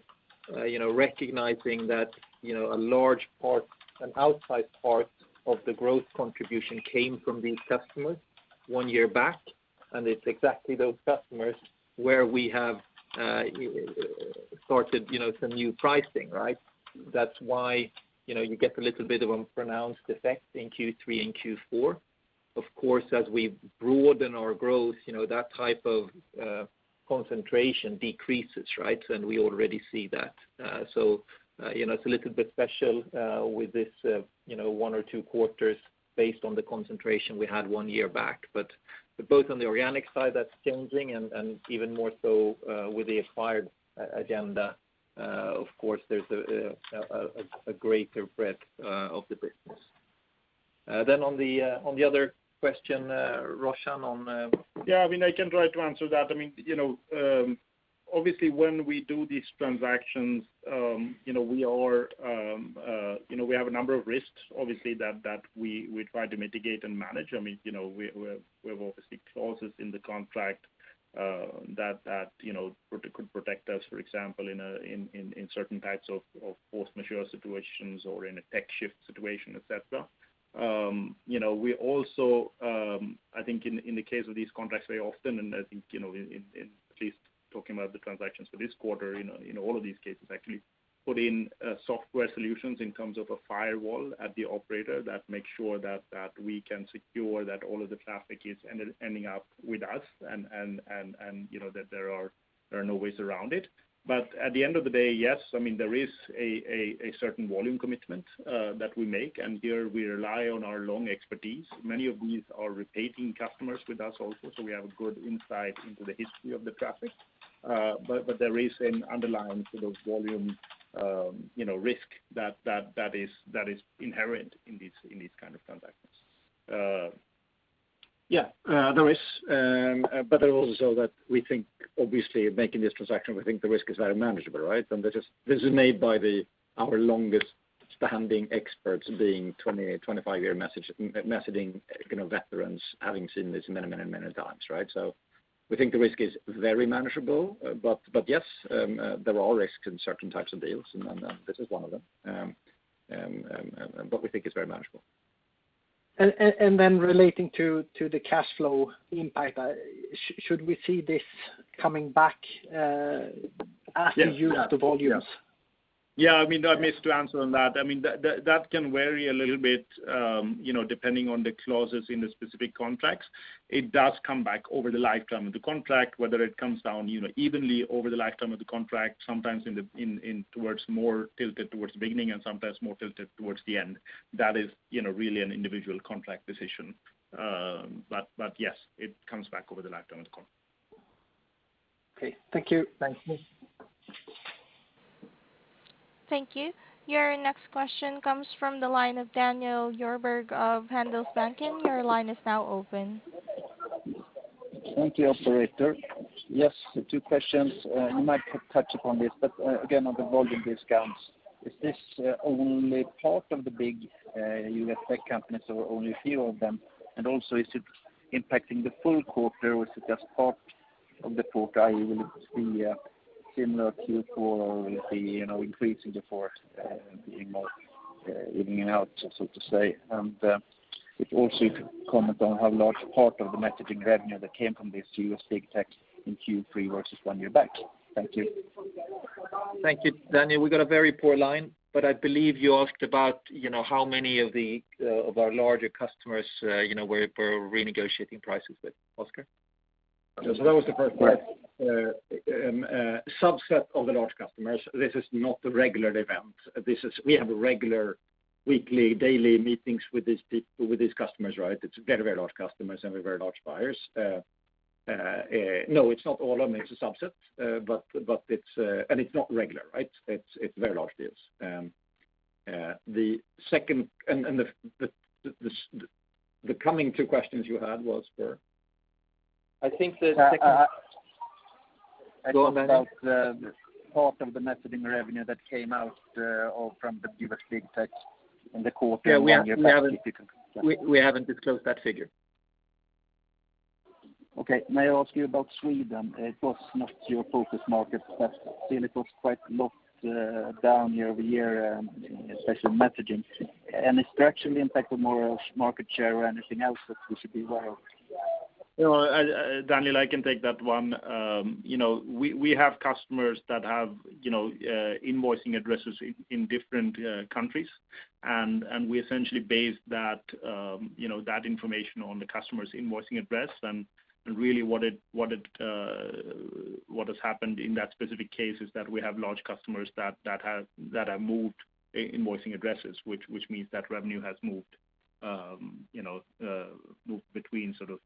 you know, recognizing that, you know, a large part, an outsized part of the growth contribution came from these customers one year back, and it's exactly those customers where we have started, you know, some new pricing, right? That's why, you know, you get a little bit of a pronounced effect in Q3 and Q4. Of course, as we broaden our growth, you know, that type of concentration decreases, right? We already see that. You know, it's a little bit special with this, you know, one or two quarters based on the concentration we had one year back. Both on the organic side, that's changing, and even more so with the acquired agenda, of course, there's a greater breadth of the business. On the other question, Roshan? Yeah. I mean, I can try to answer that. I mean, you know, obviously when we do these transactions, you know, we are, you know, we have a number of risks, obviously, that we try to mitigate and manage. I mean, you know, we have obviously clauses in the contract, that you know, could protect us, for example, in certain types of force majeure situations or in a tech shift situation, et cetera. You know, we also, I think in the case of these contracts very often, and I think, you know, in at least talking about the transactions for this quarter, you know, in all of these cases, actually put in software solutions in terms of a firewall at the operator that makes sure that we can secure that all of the traffic is ending up with us and, you know, that there are no ways around it. But at the end of the day, yes, I mean, there is a certain volume commitment that we make, and there we rely on our long expertise. Many of these are repeating customers with us also, so we have a good insight into the history of the traffic. There is an underlying sort of volume, you know, risk that is inherent in these kind of transactions. Yeah. There is, but there also that we think obviously making this transaction, we think the risk is very manageable, right? This is made by the, our longest standing experts with 20-25-year messaging, you know, veterans having seen this many times, right? We think the risk is very manageable. But yes, there are risks in certain types of deals, and this is one of them. We think it's very manageable. Relating to the cash flow impact, should we see this coming back? Yes. As you use the volumes? Yeah. I mean, I missed your answer on that. I mean, that can vary a little bit, you know, depending on the clauses in the specific contracts. It does come back over the lifetime of the contract, whether it comes down, you know, evenly over the lifetime of the contract, sometimes more tilted towards the beginning and sometimes more tilted towards the end. That is, you know, really an individual contract decision. Yes, it comes back over the lifetime of the contract. Okay. Thank you. Thanks. Thank you. Your next question comes from the line of Daniel Djurberg of Handelsbanken. Your line is now open. Thank you, operator. Yes, two questions. You might have touched upon this, but, again, on the volume discounts, is this only part of the big U.S. tech companies or only a few of them? Also, is it impacting the full quarter, or is it just part of the quarter? Will it be a similar Q4, or will it be, you know, increasing the fourth, being more evening out, so to say? If also you could comment on how large a part of the messaging revenue that came from these U.S. big tech in Q3 versus one year back. Thank you. Thank you, Daniel. We got a very poor line, but I believe you asked about, you know, how many of our larger customers, you know, we're renegotiating prices with. Oscar? That was the first part. Subset of the large customers. This is not a regular event. We have regular weekly, daily meetings with these customers, right? It's very large customers and very large buyers. No, it's not all of them, it's a subset. But it's not regular, right? It's very large deals. The second and the coming two questions you had was there? I think the second- About the part of the messaging revenue that came out, or from the U.S. Big Tech in the quarter one year back. We haven't disclosed that figure. Okay. May I ask you about Sweden? It was not your focus market, but still it was quite locked down year over year, especially messaging. Is there actually impact on market share or anything else that we should be aware of? No, Daniel, I can take that one. You know, we have customers that have you know invoicing addresses in different countries. We essentially base that you know that information on the customer's invoicing address. Really what it has happened in that specific case is that we have large customers that have moved invoicing addresses, which means that revenue has moved you know moved between sort of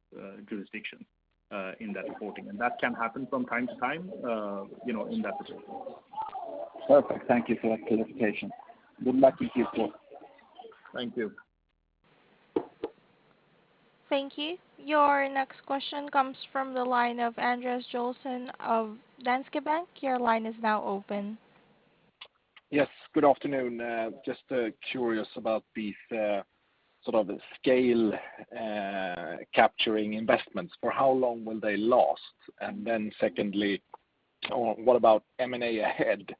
jurisdiction in that reporting. That can happen from time to time you know in that position. Perfect. Thank you for that clarification. Good luck in Q4. Thank you. Thank you. Your next question comes from the line of Andreas Joelsson of Danske Bank. Your line is now open. Yes, good afternoon. Just curious about these sort of scale capturing investments. For how long will they last? Then secondly, or what about M&A ahead?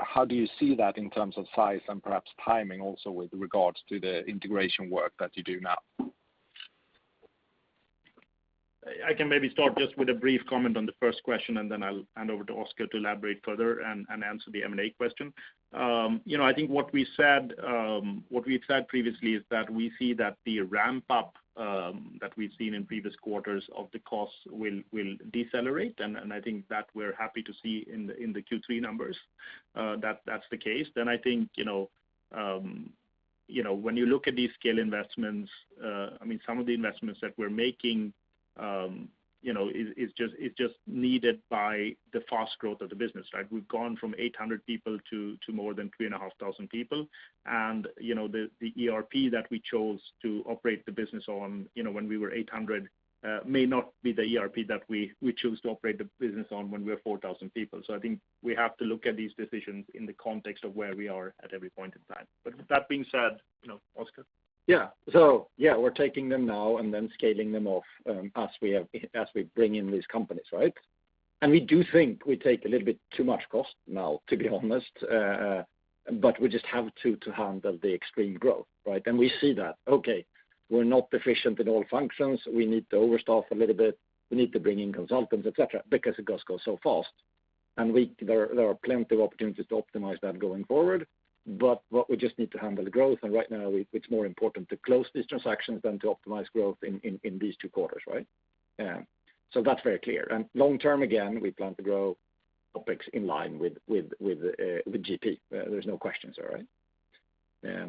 How do you see that in terms of size and perhaps timing also with regards to the integration work that you do now? I can maybe start just with a brief comment on the first question, and then I'll hand over to Oscar to elaborate further and answer the M&A question. You know, I think what we've said previously is that we see that the ramp-up that we've seen in previous quarters of the costs will decelerate. I think that we're happy to see in the Q3 numbers that that's the case. I think, you know, when you look at these scale investments, I mean, some of the investments that we're making, you know, is just needed by the fast growth of the business, right? We've gone from 800 people to more than 3,500 people. You know, the ERP that we chose to operate the business on, you know, when we were 800, may not be the ERP that we choose to operate the business on when we're 4,000 people. I think we have to look at these decisions in the context of where we are at every point in time. That being said, you know, Oscar. We're taking them now and then scaling them off as we bring in these companies, right? We do think we take a little bit too much cost now, to be honest, but we just have to handle the extreme growth, right? We see that, okay, we're not efficient in all functions. We need to overstaff a little bit. We need to bring in consultants, et cetera, because it does go so fast. There are plenty of opportunities to optimize that going forward. We just need to handle the growth, and right now it's more important to close these transactions than to optimize growth in these two quarters, right? That's very clear. Long-term, again, we plan to grow OpEx in line with GP. There's no questions there, right?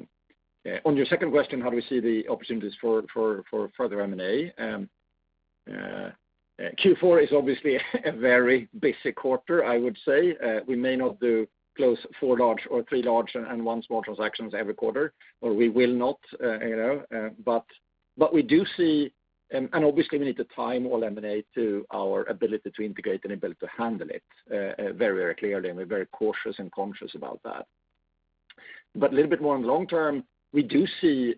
On your second question, how do we see the opportunities for further M&A? Q4 is obviously a very busy quarter, I would say. We may not close four large or three large and one small transactions every quarter, you know. We do see. Obviously we need to time all M&A to our ability to integrate and ability to handle it very clearly, and we're very cautious and conscious about that. A little bit more on long term, we do see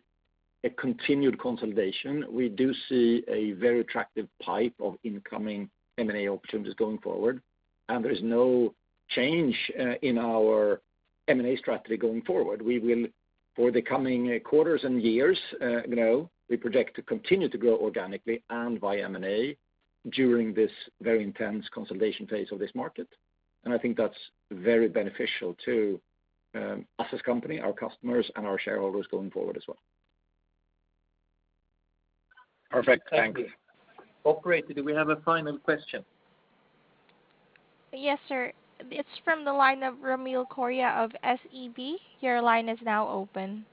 a continued consolidation. We do see a very attractive pipeline of incoming M&A opportunities going forward, and there is no change in our M&A strategy going forward. We will, for the coming, quarters and years, you know, we project to continue to grow organically and via M&A during this very intense consolidation phase of this market. I think that's very beneficial to, us as company, our customers, and our shareholders going forward as well. Perfect. Thank you. Operator, do we have a final question? Yes, sir. It's from the line of Ramil Koria of SEB. Your line is now open.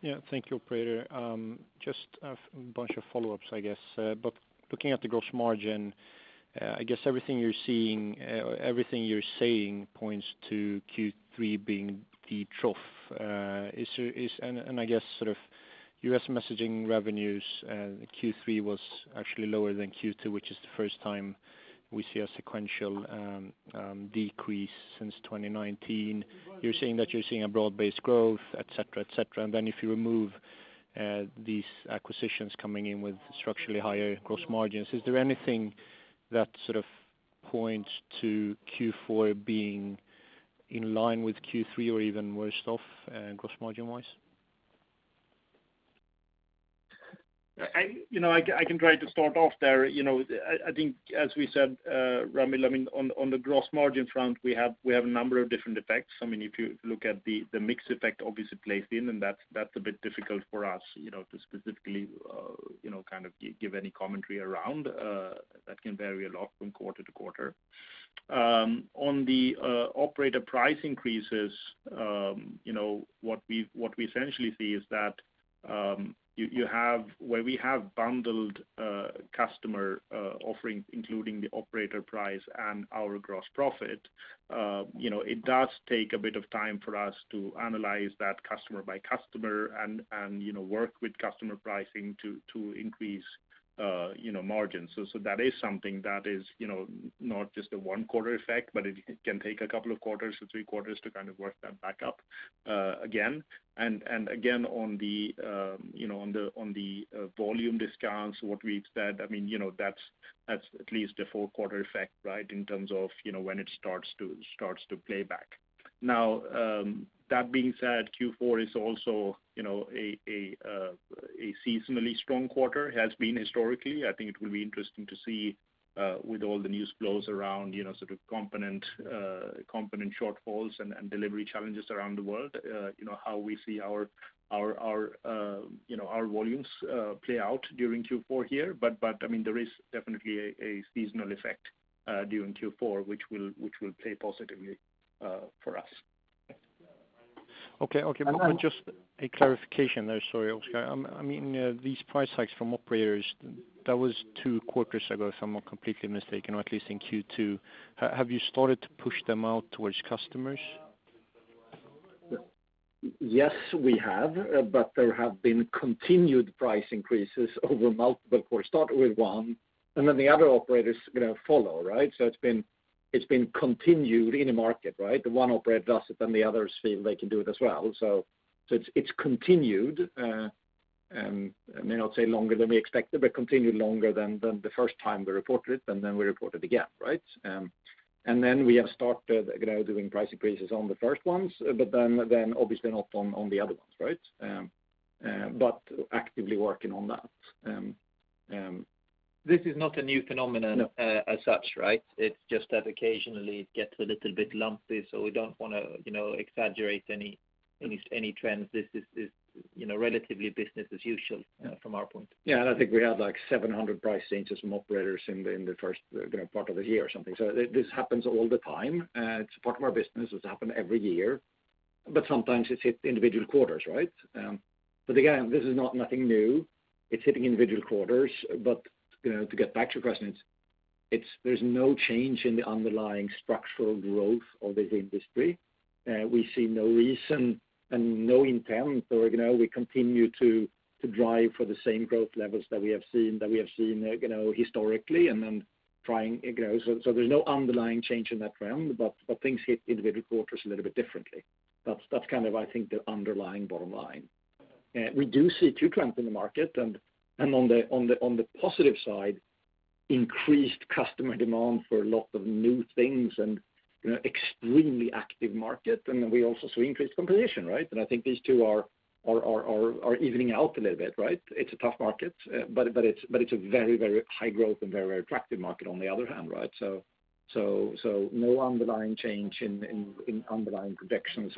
Yeah. Thank you, operator. Just a bunch of follow-ups, I guess. Looking at the gross margin, I guess everything you're seeing or everything you're saying points to Q3 being the trough. I guess sort of U.S. messaging revenues, Q3 was actually lower than Q2, which is the first time we see a sequential decrease since 2019. You're saying that you're seeing a broad-based growth, et cetera, et cetera. Then if you remove these acquisitions coming in with structurally higher gross margins, is there anything that sort of points to Q4 being in line with Q3 or even worse off, gross margin wise? You know, I can try to start off there. You know, I think as we said, Ramil, I mean, on the gross margin front, we have a number of different effects. I mean, if you look at the mix effect obviously plays in, and that's a bit difficult for us, you know, to specifically give any commentary around. That can vary a lot from quarter to quarter. On the operator price increases, you know, what we essentially see is that where we have bundled customer offerings, including the operator price and our gross profit, you know, it does take a bit of time for us to analyze that customer by customer and, you know, work with customer pricing to increase, you know, margins. That is something that is, you know, not just a one quarter effect, but it can take a couple of quarters to three quarters to kind of work that back up again. Again, on the volume discounts, what we've said, I mean, you know, that's at least a four quarter effect, right? In terms of, you know, when it starts to play back. Now, that being said, Q4 is also, you know, a seasonally strong quarter, has been historically. I think it will be interesting to see, with all the news flows around, you know, sort of component shortfalls and delivery challenges around the world, you know, how we see our volumes play out during Q4 here. I mean, there is definitely a seasonal effect during Q4, which will play positively for us. Just a clarification there. Sorry, Oscar. I mean, these price hikes from operators, that was two quarters ago, if I'm not completely mistaken, or at least in Q2. Have you started to push them out towards customers? Yes, we have, but there have been continued price increases over multiple. We started with one, and then the other operators, you know, follow, right? It's been continued in the market, right? One operator does it, then the others feel they can do it as well. It's continued. I mean, it's longer than we expected, but continued longer than the first time we reported it, and then we reported again, right? Then we have started, you know, doing price increases on the first ones, but then obviously not on the other ones, right? Actively working on that. This is not a new phenomenon. No As such, right? It's just that occasionally it gets a little bit lumpy, so we don't wanna, you know, exaggerate any trends. This is, you know, relatively business as usual. Yeah From our point. Yeah. I think we had, like, 700 price changes from operators in the first, you know, part of the year or something. This happens all the time. It's part of our business. It's happened every year. Sometimes it hits individual quarters, right? Again, this is not nothing new. It's hitting individual quarters. You know, to get back to your question, it's, there's no change in the underlying structural growth of this industry. We see no reason and no intent or, you know, we continue to drive for the same growth levels that we have seen, you know, historically and then trying, you know. There's no underlying change in that realm, but things hit individual quarters a little bit differently. That's kind of, I think, the underlying bottom line. We do see two trends in the market and on the positive side, increased customer demand for lots of new things and, you know, extremely active market. We also see increased competition, right? I think these two are evening out a little bit, right? It's a tough market, but it's a very high growth and very attractive market on the other hand, right? No underlying change in underlying projections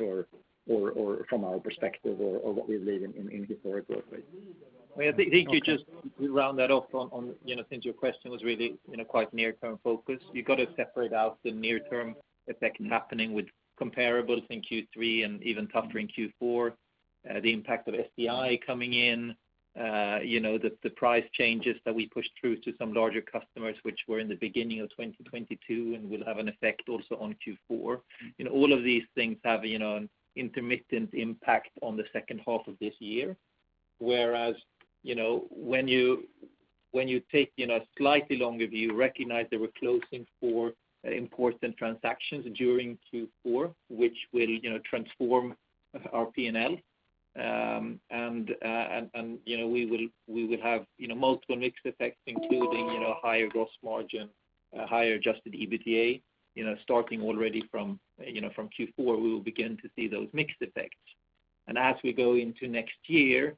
or from our perspective or what we believe in historic growth rate. I think you just round that off on you know, since your question was really you know, quite near-term focused. You've got to separate out the near-term effect happening with comparables in Q3 and even tougher in Q4. The impact of SDI coming in you know, the price changes that we pushed through to some larger customers, which were in the beginning of 2022 and will have an effect also on Q4. You know, all of these things have you know, an intermittent impact on the second half of this year. Whereas you know, when you When you take, you know, a slightly longer view, recognize there were closings for imports and transactions during Q4, which will, you know, transform our P&L. You know, we will have multiple mixed effects, including, you know, higher gross margin, higher adjusted EBITDA, you know, starting already from Q4, we will begin to see those mixed effects. As we go into next year,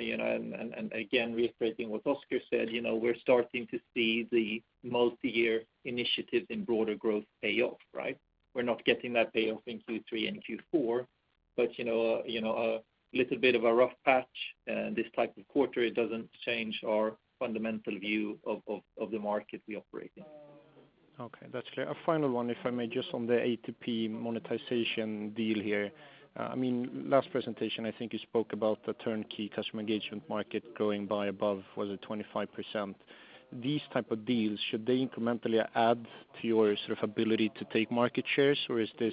you know, and again, reiterating what Oscar said, you know, we're starting to see the multiyear initiatives in broader growth pay off, right? We're not getting that payoff in Q3 and Q4, but, you know, a little bit of a rough patch, this type of quarter, it doesn't change our fundamental view of the market we operate in. Okay, that's clear. A final one, if I may, just on the A2P monetization deal here. I mean, last presentation, I think you spoke about the turnkey customer engagement market growing by above 25%. These type of deals, should they incrementally add to your sort of ability to take market shares? Or is this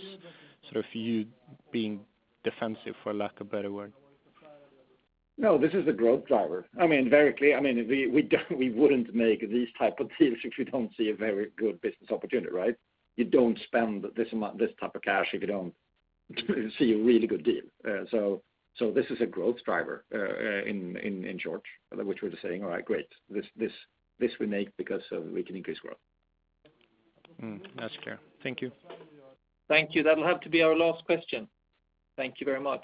sort of you being defensive, for lack of a better word? No, this is a growth driver. I mean, very clear. I mean, we wouldn't make these type of deals if we don't see a very good business opportunity, right? You don't spend this amount, this type of cash if you don't see a really good deal. So this is a growth driver in short, which we're just saying, all right, great. This we make because we can increase growth. That's clear. Thank you. Thank you. That'll have to be our last question. Thank you very much.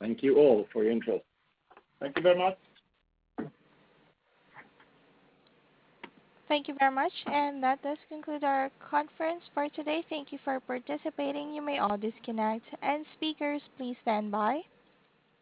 Thank you all for your interest. Thank you very much. Thank you very much. That does conclude our conference for today. Thank you for participating. You may all disconnect. Speakers, please stand by.